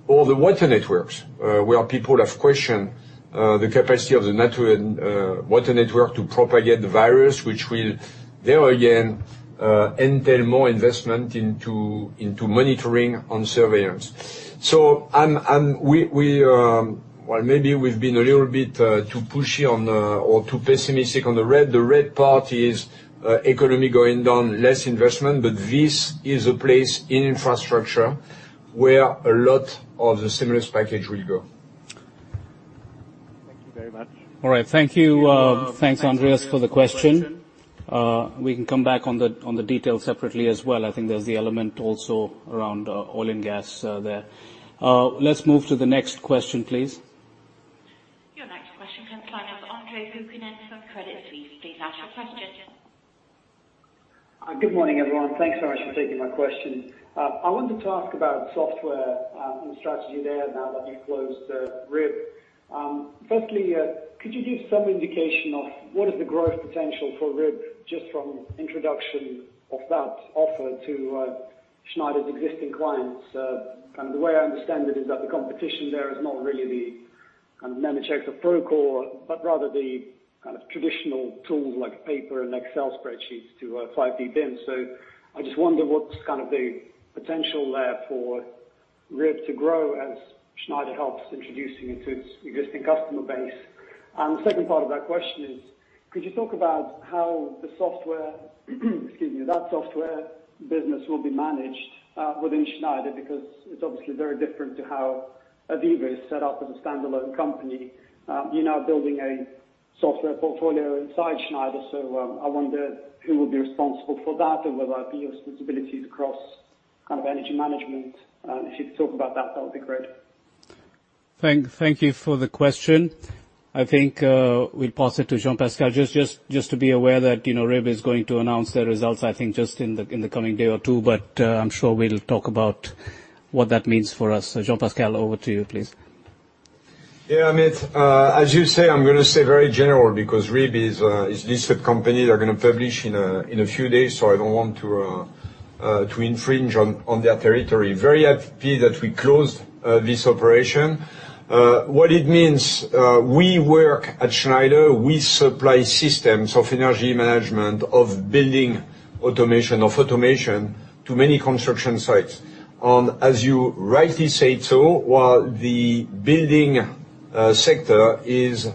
or the water networks where people have questioned the capacity of the water network to propagate the virus, which will there, again, entail more investment into monitoring on surveillance. Maybe we've been a little bit too pushy or too pessimistic on the red. The red part is economy going down, less investment, but this is a place in infrastructure where a lot of the stimulus package will go. Thank you very much. All right. Thank you. Thanks, Andreas, for the question. We can come back on the details separately as well. I think there's the element also around oil and gas there. Let's move to the next question, please. Your next question comes from Andre Kukhnin, Credit Suisse. Please ask your question. Good morning, everyone. Thanks very much for taking my question. I wanted to ask about Software and strategy there now that you closed RIB. Firstly, could you give some indication of what is the growth potential for RIB, just from introduction of that offer to Schneider's existing clients? The way I understand it is that the competition there is not really the Nemetschek or Procore, but rather the kind of traditional tools like paper and Excel spreadsheets to 5D BIM. I just wonder what's the potential there for RIB to grow as Schneider helps introducing it to its existing customer base. The second part of that question is, could you talk about how that Software business will be managed within Schneider? Because it's obviously very different to how AVEVA is set up as a standalone company. You're now building a software portfolio inside Schneider. I wonder who will be responsible for that or will there be responsibilities across Energy Management. If you could talk about that would be great. Thank you for the question. I think we'll pass it to Jean-Pascal. Just to be aware that RIB is going to announce their results, I think, just in the coming day or two, I'm sure we'll talk about what that means for us. Jean-Pascal, over to you, please. Amit, as you say, I'm going to stay very general because RIB is a listed company. They're going to publish in a few days, I don't want to infringe on their territory. Very happy that we closed this operation. What it means, we work at Schneider, we supply systems of energy management, of building automation, of automation to many construction sites. As you rightly say, too, while the building sector is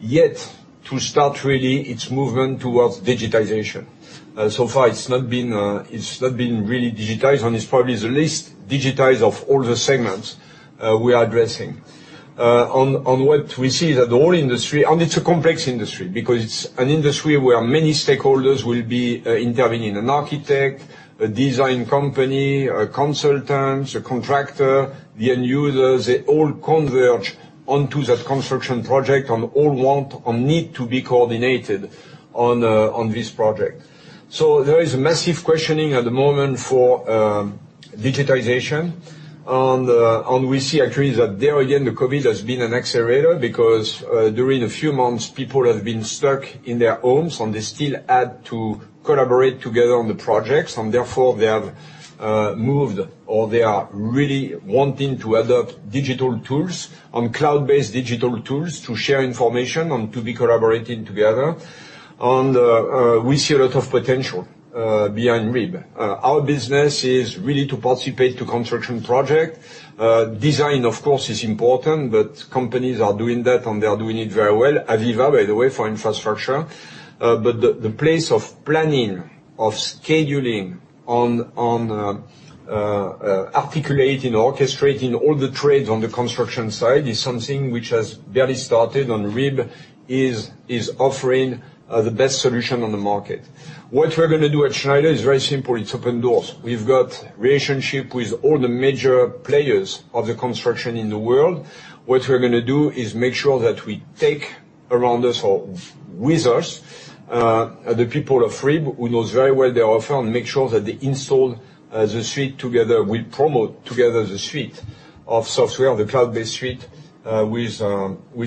yet to start really its movement towards digitization. Far it's not been really digitized, it's probably the least digitized of all the segments we are addressing. It's a complex industry because it's an industry where many stakeholders will be intervening. An architect, a design company, a consultant, a contractor, the end user, they all converge onto that construction project, and all want or need to be coordinated on this project. There is massive questioning at the moment for digitization, and we see actually that there again, the COVID has been an accelerator because during a few months, people have been stuck in their homes, and they still had to collaborate together on the projects, and therefore they have moved or they are really wanting to adopt digital tools and cloud-based digital tools to share information and to be collaborating together. We see a lot of potential behind RIB. Our business is really to participate to construction project. Design, of course, is important, but companies are doing that, and they are doing it very well. AVEVA, by the way, for infrastructure. The place of planning, of scheduling, on articulating, orchestrating all the trades on the construction side is something which has barely started. RIB is offering the best solution on the market. What we're going to do at Schneider is very simple. It's open doors. We've got relationship with all the major players of the construction in the world. What we're going to do is make sure that we take around us or with us, the people of RIB who knows very well their offer and make sure that they install the suite together, will promote together the suite of software, the cloud-based suite with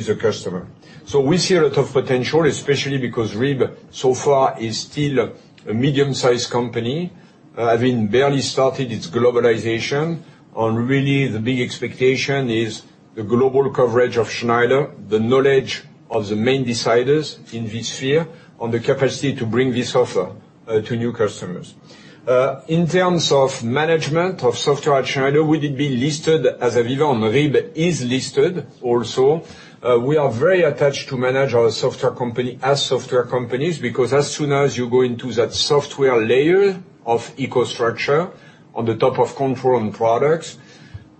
the customer. We see a lot of potential, especially because RIB so far is still a medium-sized company, having barely started its globalization. Really the big expectation is the global coverage of Schneider, the knowledge of the main deciders in this sphere and the capacity to bring this offer to new customers. In terms of management of software at Schneider, will it be listed as AVEVA and RIB is listed also? We are very attached to manage our software company as software companies, because as soon as you go into that software layer of EcoStruxure on top of control and products,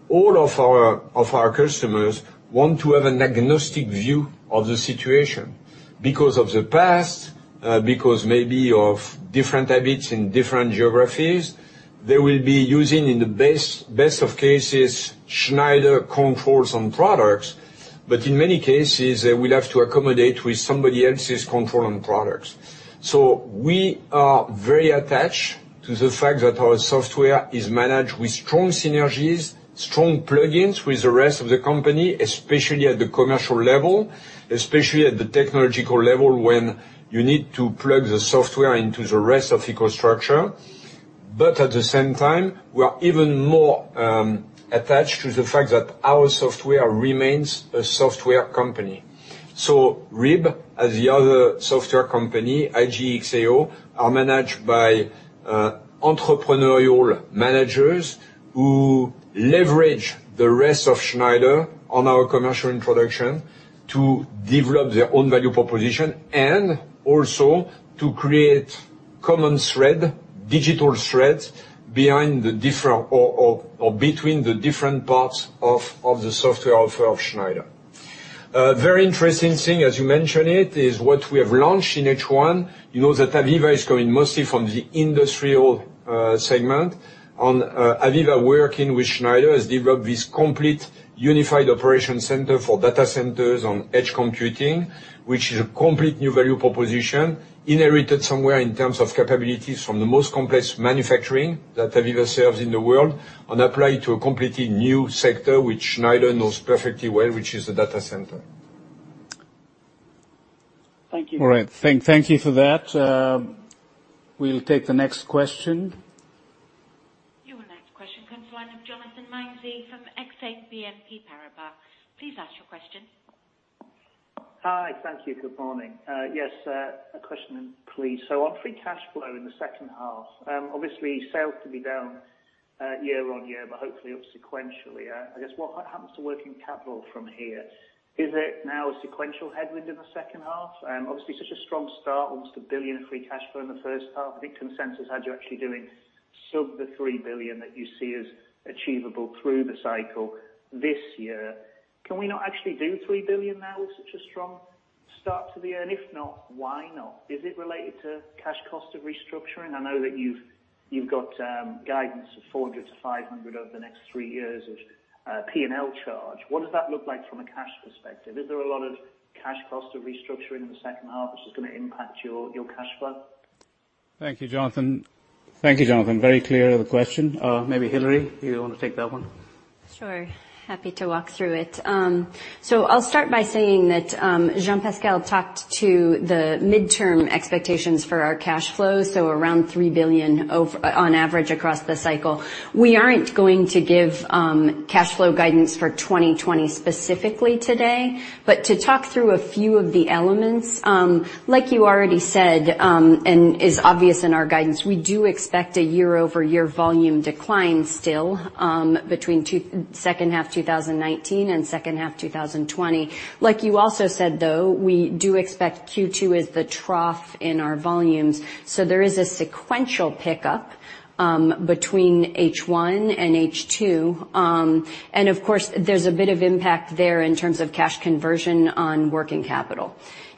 all of our customers want to have an agnostic view of the situation. Because of the past, because maybe of different habits in different geographies, they will be using in the best of cases, Schneider controls and products, but in many cases, we'll have to accommodate with somebody else's control and products. We are very attached to the fact that our software is managed with strong synergies, strong plugins with the rest of the company, especially at the commercial level, especially at the technological level, when you need to plug the software into the rest of EcoStruxure. At the same time, we are even more attached to the fact that our software remains a software company. RIB as the other software company, IGE+XAO, are managed by entrepreneurial managers who leverage the rest of Schneider on our commercial and production to develop their own value proposition and also to create common thread, digital threads, behind the different or between the different parts of the software offer of Schneider. A very interesting thing, as you mention it, is what we have launched in H1. You know that AVEVA is coming mostly from the industrial segment, and AVEVA working with Schneider has developed this complete unified operation center for data centers on edge computing. Which is a complete new value proposition, inherited somewhere in terms of capabilities from the most complex manufacturing that AVEVA serves in the world, and applied to a completely new sector, which Schneider knows perfectly well, which is the data center. Thank you. All right. Thank you for that. We'll take the next question. Your next question comes from the line of Jonathan Mounsey from Exane BNP Paribas. Please ask your question. Hi. Thank you. Good morning. A question please. On free cash flow in the second half, obviously sales to be down year-on-year, but hopefully up sequentially. I guess what happens to working capital from here? Is it now a sequential headwind in the second half? Obviously such a strong start, almost 1 billion of free cash flow in the first half. I think consensus had you actually doing sub the 3 billion that you see as achievable through the cycle this year. Can we not actually do 3 billion now with such a strong start to the year? If not, why not? Is it related to cash cost of restructuring? I know that you've got guidance of 400 million-500 million over the next three years of P&L charge. What does that look like from a cash perspective? Is there a lot of cash cost of restructuring in the second half, which is going to impact your cash flow? Thank you, Jonathan. Very clear question. Maybe Hilary, you want to take that one? Sure. Happy to walk through it. I'll start by saying that Jean-Pascal talked to the midterm expectations for our cash flow, around 3 billion on average across the cycle. We aren't going to give cash flow guidance for 2020 specifically today, to talk through a few of the elements, like you already said, and is obvious in our guidance, we do expect a year-over-year volume decline still, between second half 2019 and second half 2020. You also said, though, we do expect Q2 as the trough in our volumes. There is a sequential pickup, between H1 and H2. Of course, there's a bit of impact there in terms of cash conversion on working capital.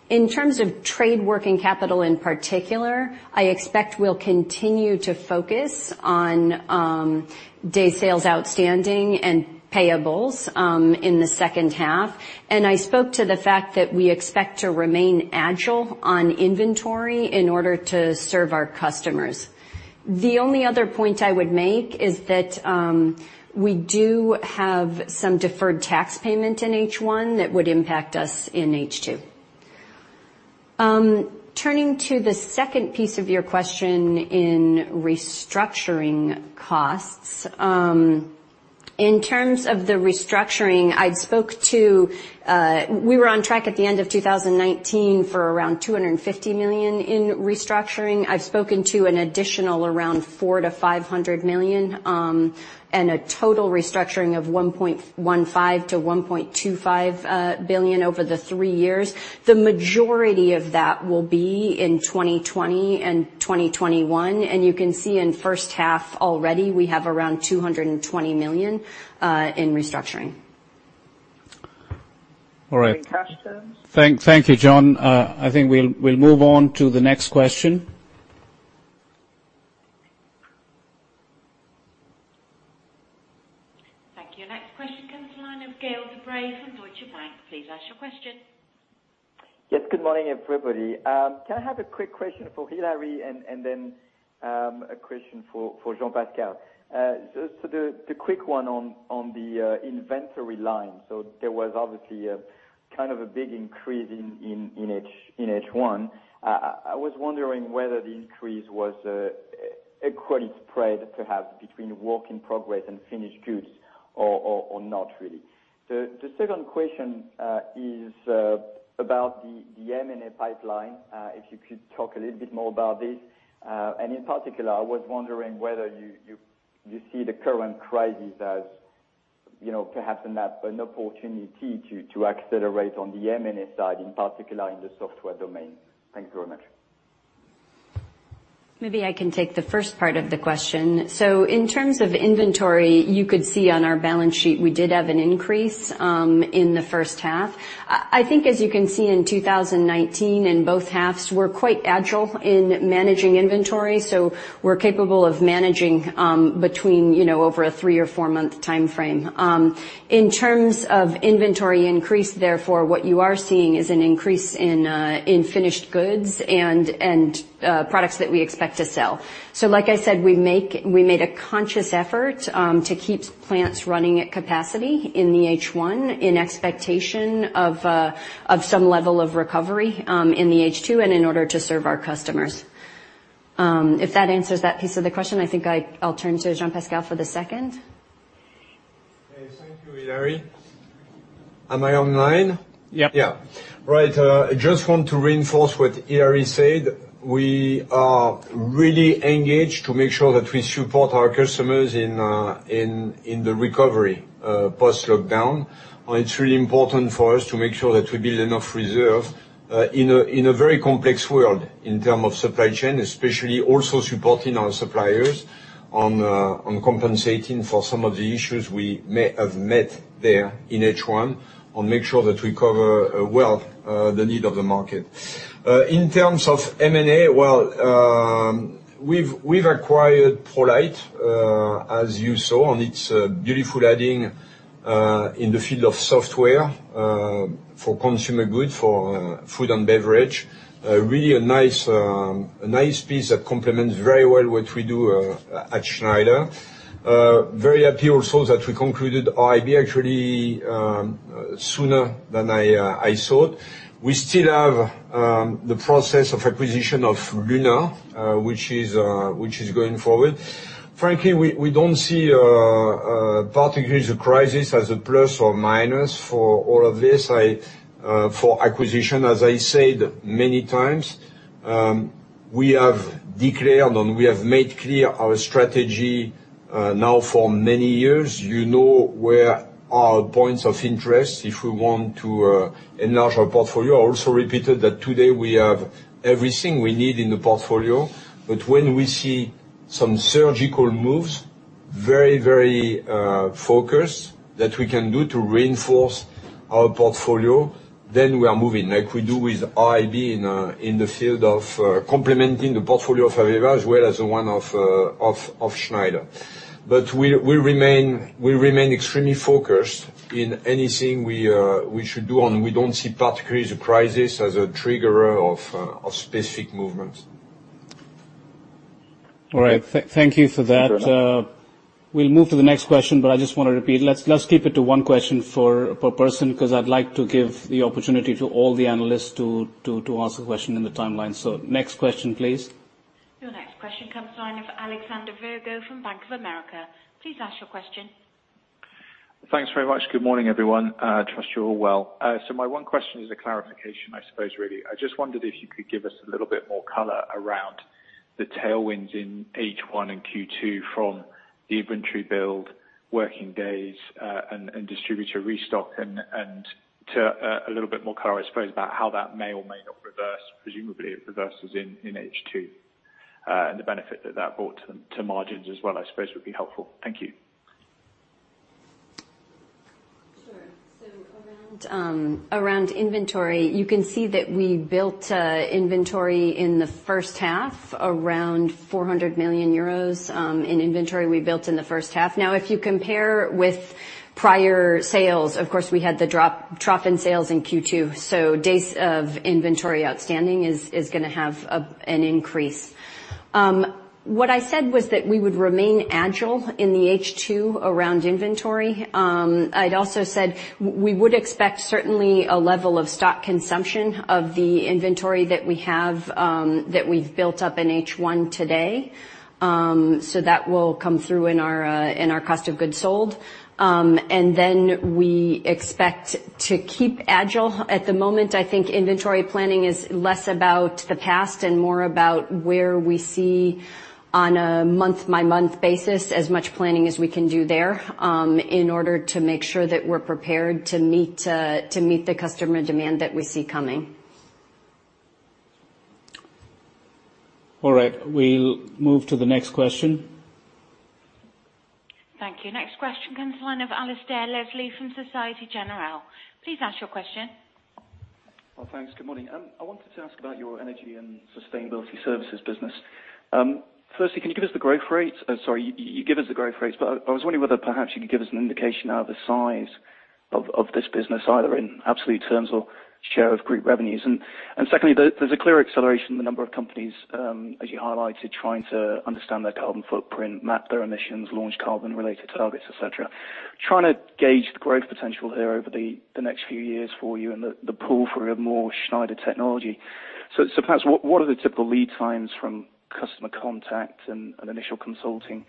In terms of trade working capital in particular, I expect we'll continue to focus on day sales outstanding and payables in the second half. I spoke to the fact that we expect to remain agile on inventory in order to serve our customers. The only other point I would make is that we do have some deferred tax payment in H1 that would impact us in H2. Turning to the second piece of your question in restructuring costs. In terms of the restructuring, we were on track at the end of 2019 for around 250 million in restructuring. I've spoken to an additional around 400 million-500 million, and a total restructuring of 1.15 billion-1.25 billion over the three years. The majority of that will be in 2020 and 2021, and you can see in first half already, we have around 220 million in restructuring. All right. Thank you, Jonathan. I think we'll move on to the next question. Next question comes the line of Gaël De Bray from Deutsche Bank. Please ask your question. Yes. Good morning, everybody. Can I have a quick question for Hilary, and then a question for Jean-Pascal? The quick one on the inventory line. There was obviously a big increase in H1. I was wondering whether the increase was a quality spread perhaps between work in progress and finished goods or not really. The second question is about the M&A pipeline, if you could talk a little bit more about this. In particular, I was wondering whether you see the current crisis as perhaps an opportunity to accelerate on the M&A side, in particular in the software domain. Thank you very much. Maybe I can take the first part of the question. In terms of inventory, you could see on our balance sheet, we did have an increase in the first half. I think as you can see in 2019, in both halves, we're quite agile in managing inventory, so we're capable of managing between over a three or four-month timeframe. In terms of inventory increase, therefore, what you are seeing is an increase in finished goods and products that we expect to sell. Like I said, we made a conscious effort to keep plants running at capacity in the H1, in expectation of some level of recovery in the H2 and in order to serve our customers. If that answers that piece of the question, I think I'll turn to Jean-Pascal for the second. Thank you, Hilary. Am I online? Yep. Yeah. Right. I just want to reinforce what Hilary said. We are really engaged to make sure that we support our customers in the recovery post-lockdown. It's really important for us to make sure that we build enough reserve in a very complex world in term of supply chain, especially also supporting our suppliers and compensating for some of the issues we may have met there in H1, and make sure that we cover well, the need of the market. In terms of M&A, well, we've acquired ProLeiT, as you saw, and it's beautiful adding in the field of software for consumer good, for food and beverage. Really a nice piece that complements very well what we do at Schneider. Very happy also that we concluded RIB, actually sooner than I thought. We still have the process of acquisition of Luna, which is going forward. Frankly, we don't see particularly the crisis as a plus or minus for all of this. For acquisition, as I said many times, we have declared, and we have made clear our strategy now for many years. You know where our points of interest, if we want to enlarge our portfolio. I also repeated that today we have everything we need in the portfolio, but when we see some surgical moves, very focused that we can do to reinforce our portfolio, then we are moving, like we do with RIB in the field of complementing the portfolio of AVEVA as well as the one of Schneider. We remain extremely focused in anything we should do, and we don't see particularly the crisis as a trigger of specific movements. All right. Thank you for that. We'll move to the next question. I just want to repeat, let's keep it to one question per person. I'd like to give the opportunity to all the analysts to ask a question in the timeline. Next question, please. Your next question comes the line of Alexander Virgo from Bank of America. Please ask your question. Thanks very much. Good morning, everyone. Trust you're all well. My one question is a clarification, I suppose, really. I just wondered if you could give us a little bit more color around the tailwinds in H1 and Q2 from the inventory build, working days, and distributor restock and a little bit more color, I suppose, about how that may or may not reverse. Presumably, it reverses in H2. The benefit that that brought to margins as well, I suppose, would be helpful. Thank you. Sure. Around inventory, you can see that we built inventory in the first half, around 400 million euros in inventory we built in the first half. Now, if you compare with prior sales, of course, we had the drop in sales in Q2. Days of inventory outstanding is going to have an increase. What I said was that we would remain agile in the H2 around inventory. I'd also said we would expect certainly a level of stock consumption of the inventory that we have that we've built up in H1 today. That will come through in our cost of goods sold. We expect to keep agile. At the moment, I think inventory planning is less about the past and more about where we see on a month-by-month basis, as much planning as we can do there, in order to make sure that we are prepared to meet the customer demand that we see coming. All right. We'll move to the next question. Thank you. Next question comes the line of Alasdair Leslie from Société Générale. Please ask your question. Well, thanks. Good morning. I wanted to ask about your energy and sustainability services business. Firstly, can you give us the growth rates? Sorry, you gave us the growth rates, but I was wondering whether perhaps you could give us an indication of the size of this business, either in absolute terms or share of group revenues. Secondly, there's a clear acceleration in the number of companies, as you highlighted, trying to understand their carbon footprint, map their emissions, launch carbon-related targets, et cetera. Trying to gauge the growth potential here over the next few years for you and the pull for more Schneider technology. Perhaps, what are the typical lead times from customer contact and initial consulting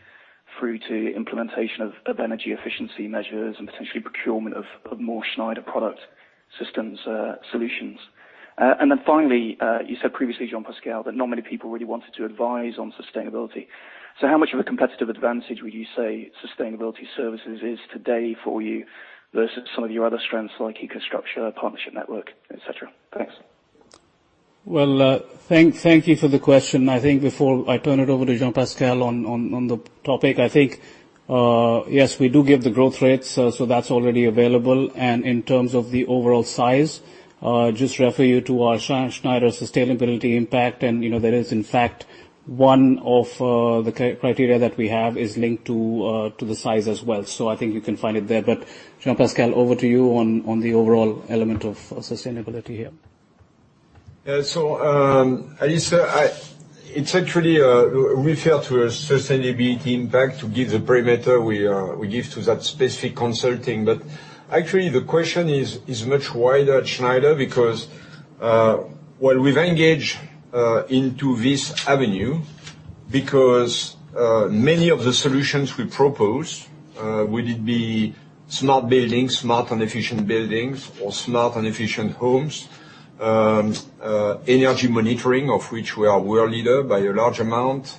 through to implementation of energy efficiency measures and potentially procurement of more Schneider product systems solutions? Finally, you said previously, Jean-Pascal, that not many people really wanted to advise on sustainability. How much of a competitive advantage would you say sustainability services is today for you versus some of your other strengths like EcoStruxure, partnership network, et cetera? Thanks. Well, thank you for the question. I think before I turn it over to Jean-Pascal on the topic, I think, yes, we do give the growth rates, that's already available. In terms of the overall size, just refer you to our Schneider Sustainability Impact. There is, in fact, one of the criteria that we have is linked to the size as well. I think you can find it there. Jean-Pascal, over to you on the overall element of sustainability here. Yeah. Alasdair, it's actually, we refer to a Schneider Sustainability Impact to give the parameter we give to that specific consulting. Actually, the question is much wider at Schneider Electric, because while we've engaged into this avenue, because many of the solutions we propose, would it be smart buildings, smart and efficient buildings or smart and efficient homes, energy monitoring, of which we are world leader by a large amount,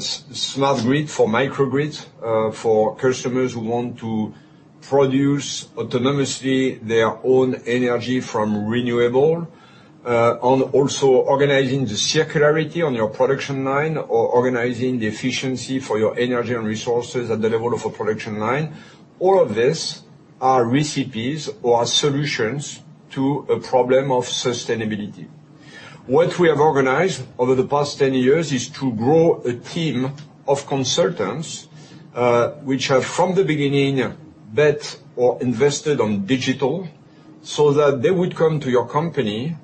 smart grid for microgrid, for customers who want to produce autonomously their own energy from renewable, on also organizing the circularity on your production line or organizing the efficiency for your energy and resources at the level of a production line. All of these are recipes or solutions to a problem of sustainability. What we have organized over the past 10 years is to grow a team of consultants, which have from the beginning bet or invested on digital, so that they would come to your company,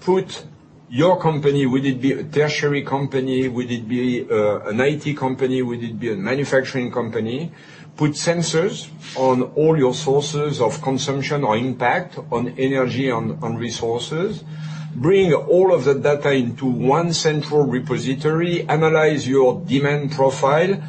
put your company, would it be a tertiary company, would it be an IT company, would it be a manufacturing company, put sensors on all your sources of consumption or impact on energy, on resources, bring all of the data into one central repository, analyze your demand profile,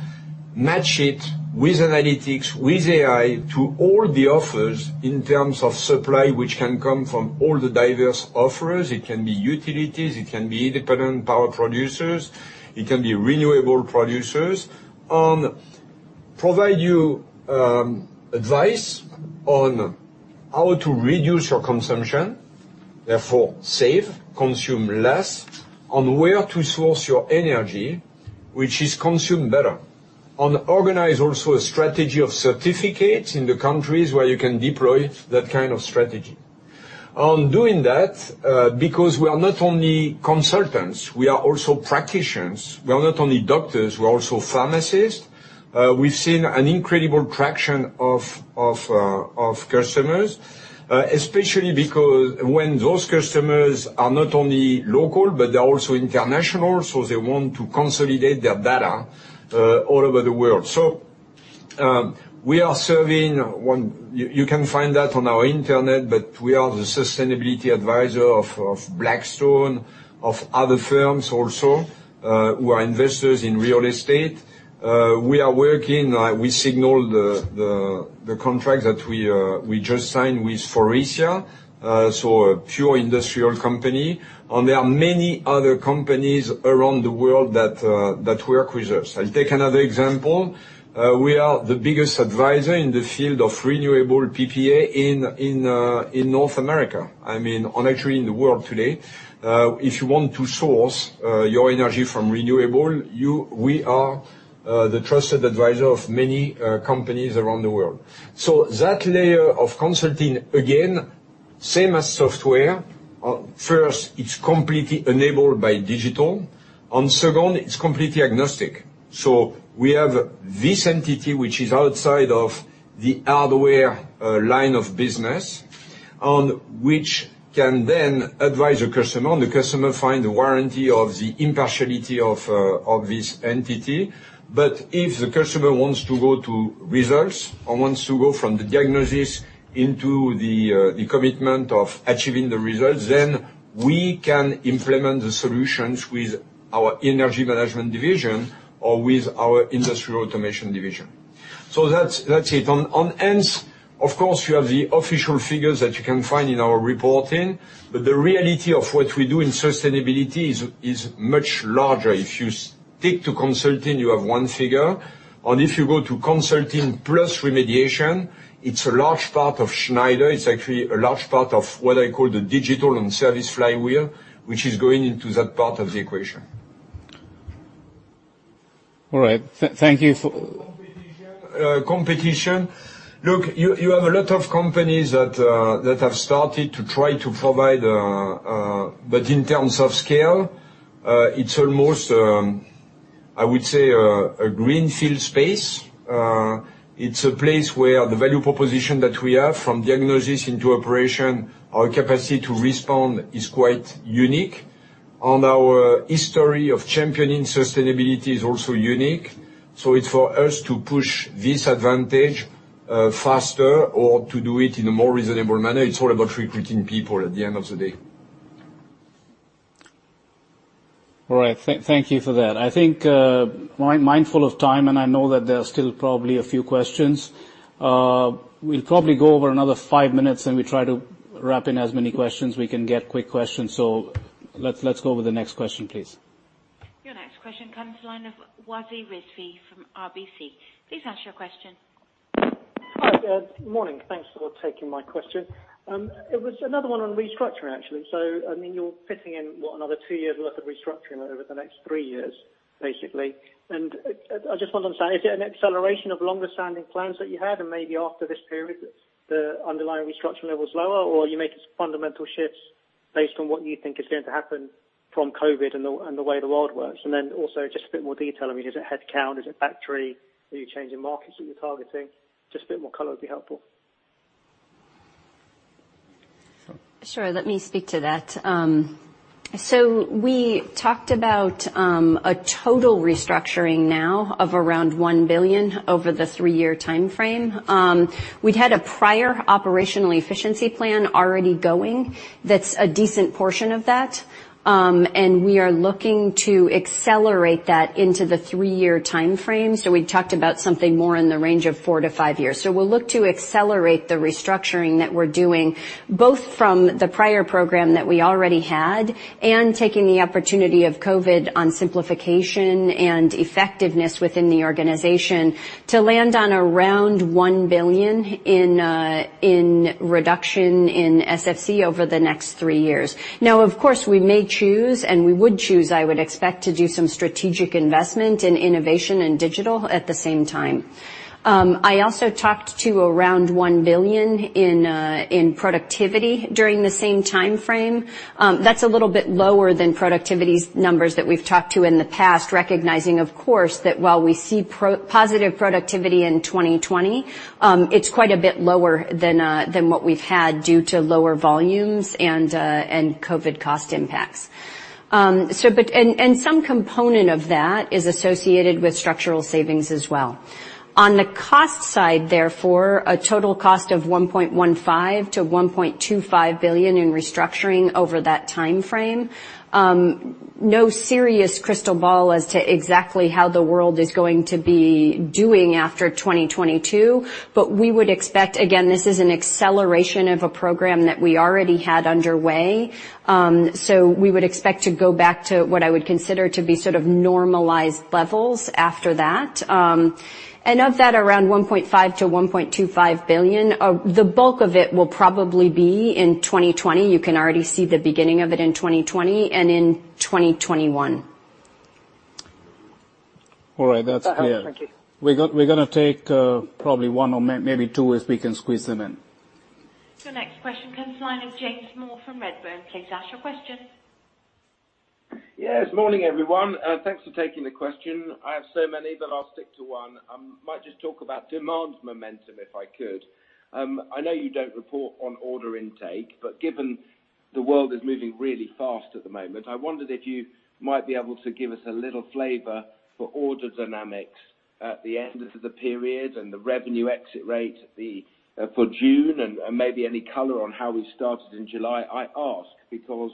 match it with analytics, with AI to all the offers in terms of supply, which can come from all the diverse offers. It can be utilities, it can be independent power producers, it can be renewable producers, and provide you advice on how to reduce your consumption, therefore save, consume less, on where to source your energy, which is consumed better, and organize also a strategy of certificates in the countries where you can deploy that kind of strategy. On doing that, because we are not only consultants, we are also practitioners. We are not only doctors, we're also pharmacists. We've seen an incredible traction of customers, especially because when those customers are not only local, but they're also international, so they want to consolidate their data all over the world. We are serving, you can find that on our internet, but we are the sustainability advisor of Blackstone, of other firms also, who are investors in real estate. We are working, we signal the contract that we just signed with Faurecia, so a pure industrial company. There are many other companies around the world that work with us. I'll take another example. We are the biggest advisor in the field of renewable PPA in North America, actually in the world today. If you want to source your energy from renewable, we are the trusted advisor of many companies around the world. That layer of consulting, again, same as software. First, it's completely enabled by digital, and second, it's completely agnostic. We have this entity which is outside of the hardware line of business, on which can then advise a customer, and the customer find the warranty of the impartiality of this entity. If the customer wants to go to results or wants to go from the diagnosis into the commitment of achieving the results, then we can implement the solutions with our Energy Management division or with our Industrial Automation division. That's it. Of course, you have the official figures that you can find in our reporting. The reality of what we do in sustainability is much larger. If you stick to consulting, you have one figure, and if you go to consulting plus remediation, it's a large part of Schneider. It's actually a large part of what I call the digital and service flywheel, which is going into that part of the equation. All right. Thank you for— Competition. Look, you have a lot of companies that have started to try to provide, but in terms of scale, it's almost, I would say, a greenfield space. It's a place where the value proposition that we have from diagnosis into operation, our capacity to respond is quite unique. Our history of championing sustainability is also unique. It's for us to push this advantage faster or to do it in a more reasonable manner. It's all about recruiting people at the end of the day. All right. Thank you for that. I think, mindful of time, and I know that there are still probably a few questions. We'll probably go over another five minutes, and we try to wrap in as many questions we can get, quick questions. Let's go over the next question, please. Your next question comes line of Wasi Rizvi from RBC. Please ask your question. Hi. Morning. Thanks for taking my question. It was another one on restructuring, actually. You're fitting in, what, another two years' worth of restructuring over the next three years, basically. I just wonder, is it an acceleration of longer-standing plans that you had, and maybe after this period, the underlying restructuring level's lower? Are you making fundamental shifts based on what you think is going to happen from COVID and the way the world works? Also just a bit more detail. Is it headcount, is it factory? Are you changing markets that you're targeting? Just a bit more color would be helpful. Sure. Let me speak to that. We talked about a total restructuring now of around 1 billion over the three-year timeframe. We'd had a prior operational efficiency plan already going that's a decent portion of that. We are looking to accelerate that into the three-year timeframe. We talked about something more in the range of four to five years. We'll look to accelerate the restructuring that we're doing, both from the prior program that we already had and taking the opportunity of COVID-19 on simplification and effectiveness within the organization to land on around 1 billion in reduction in SFC over the next three years. Of course, we may choose and we would choose, I would expect, to do some strategic investment in innovation and digital at the same time. I also talked to around 1 billion in productivity during the same timeframe. That's a little bit lower than productivity numbers that we've talked to in the past, recognizing, of course, that while we see positive productivity in 2020, it's quite a bit lower than what we've had due to lower volumes and COVID-19 cost impacts. Some component of that is associated with structural savings as well. On the cost side, therefore, a total cost of 1.15 billion-1.25 billion in restructuring over that timeframe. No serious crystal ball as to exactly how the world is going to be doing after 2022. We would expect, again, this is an acceleration of a program that we already had underway. We would expect to go back to what I would consider to be sort of normalized levels after that. Of that around 1.15 billion-1.25 billion, the bulk of it will probably be in 2020. You can already see the beginning of it in 2020 and in 2021. All right. That's clear. Thank you. We're going to take probably one or maybe two, if we can squeeze them in. Your next question comes line of James Moore from Redburn. Please ask your question. Yes. Morning, everyone. Thanks for taking the question. I have so many, but I'll stick to one. Might just talk about demand momentum, if I could. I know you don't report on order intake, given the world is moving really fast at the moment, I wondered if you might be able to give us a little flavor for order dynamics at the end of the period and the revenue exit rate for June and maybe any color on how we started in July. I ask because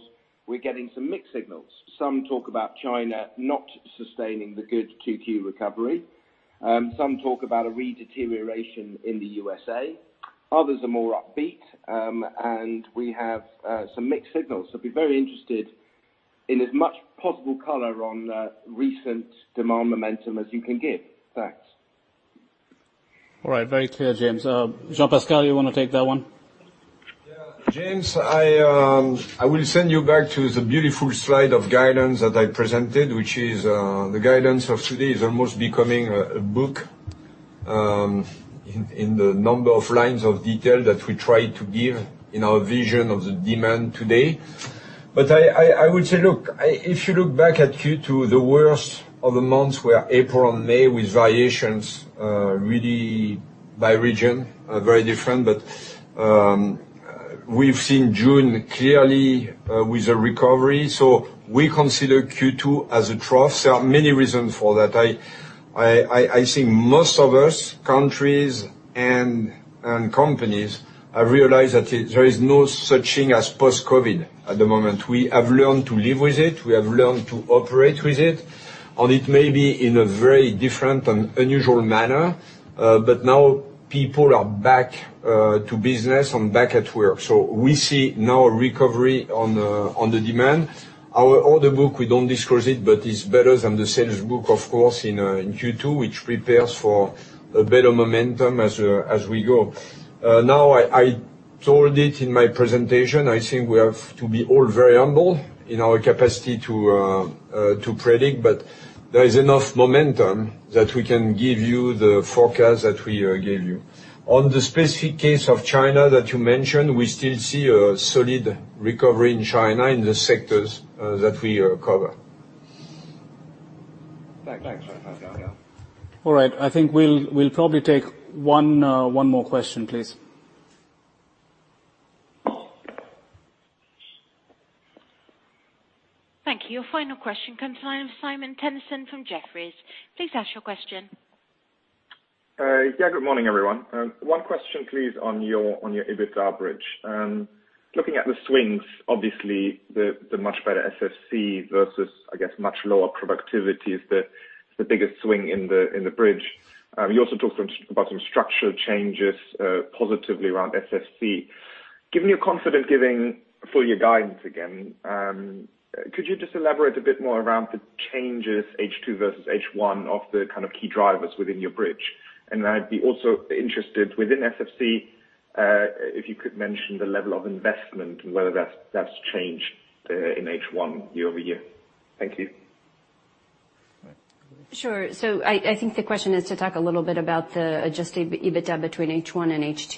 we're getting some mixed signals. Some talk about China not sustaining the good Q2 recovery. Some talk about a re-deterioration in the U.S.A. Others are more upbeat. We have some mixed signals. Be very interested in as much possible color on recent demand momentum as you can give. Thanks. All right. Very clear, James. Jean-Pascal, you want to take that one? James, I will send you back to the beautiful slide of guidance that I presented, which is the guidance of today is almost becoming a book in the number of lines of detail that we try to give in our vision of the demand today. I would say, look, if you look back at Q2, the worst of the months were April and May, with variations really by region, very different. We've seen June clearly with a recovery. We consider Q2 as a trough. There are many reasons for that. I think most of us, countries and companies, have realized that there is no such thing as post-COVID at the moment. We have learned to live with it. We have learned to operate with it, and it may be in a very different and unusual manner. Now people are back to business and back at work. We see now a recovery on the demand. Our order book, we don't disclose it, but it's better than the sales book, of course, in Q2, which prepares for a better momentum as we go. Now toward it in my presentation. I think we have to be all very humble in our capacity to predict, but there is enough momentum that we can give you the forecast that we gave you. On the specific case of China that you mentioned, we still see a solid recovery in China in the sectors that we cover. Thanks. All right. I think we'll probably take one more question, please. Thank you. Your final question comes from Simon Toennessen from Jefferies. Please ask your question. Good morning, everyone. One question, please, on your EBITDA bridge. Looking at the swings, obviously, the much better SFC versus, I guess, much lower productivity is the biggest swing in the bridge. You also talked about some structural changes positively around SFC. Given your confidence giving for your guidance again, could you just elaborate a bit more around the changes H2 versus H1 of the kind of key drivers within your bridge? I'd be also interested within SFC, if you could mention the level of investment and whether that's changed, in H1 year-over-year. Thank you. All right. Sure. I think the question is to talk a little bit about the adjusted EBITA between H1 and H2.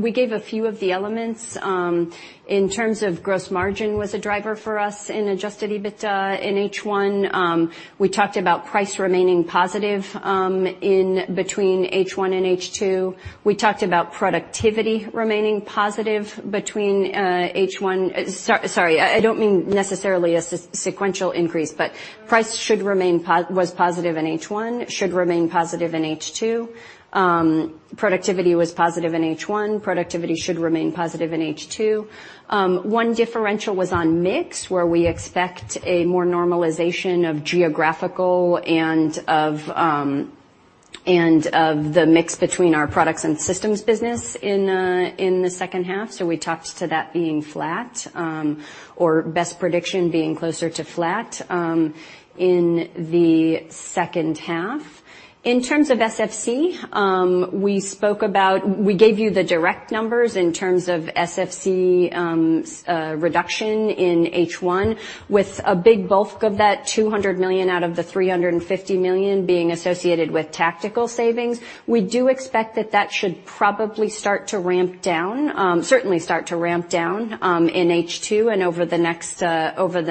We gave a few of the elements. In terms of gross margin, was a driver for us in adjusted EBITA in H1. We talked about price remaining positive in between H1 and H2. We talked about productivity remaining positive between H1-- Sorry, I don't mean necessarily a sequential increase, but price was positive in H1, should remain positive in H2. Productivity was positive in H1, productivity should remain positive in H2. One differential was on mix, where we expect a more normalization of geographical and of the mix between our products and systems business in the second half. We talked to that being flat, or best prediction being closer to flat in the second half. In terms of SFC, we gave you the direct numbers in terms of SFC reduction in H1 with a big bulk of that 200 million out of the 350 million being associated with tactical savings. We do expect that that should probably start to ramp down, certainly start to ramp down, in H2 and over the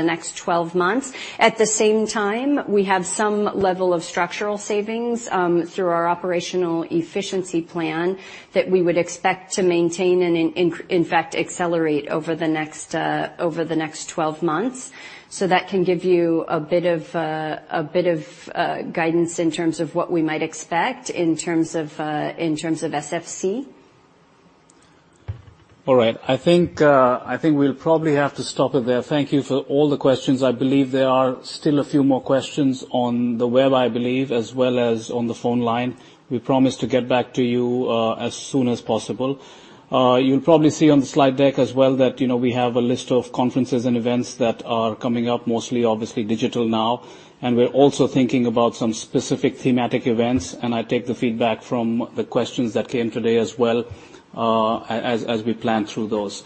next 12 months. At the same time, we have some level of structural savings through our operational efficiency plan that we would expect to maintain and in fact, accelerate over the next 12 months. That can give you a bit of guidance in terms of what we might expect in terms of SFC. All right. I think we'll probably have to stop it there. Thank you for all the questions. I believe there are still a few more questions on the web, I believe, as well as on the phone line. We promise to get back to you as soon as possible. You'll probably see on the slide deck as well that we have a list of conferences and events that are coming up, mostly obviously digital now. We're also thinking about some specific thematic events, and I take the feedback from the questions that came today as well, as we plan through those.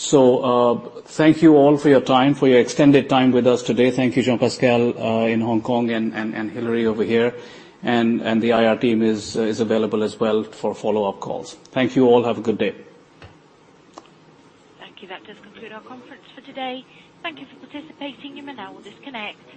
Thank you all for your time, for your extended time with us today. Thank you, Jean-Pascal, in Hong Kong, and Hilary over here. The IR team is available as well for follow-up calls. Thank you all. Have a good day. Thank you. That does conclude our conference for today. Thank you for participating, you may now disconnect.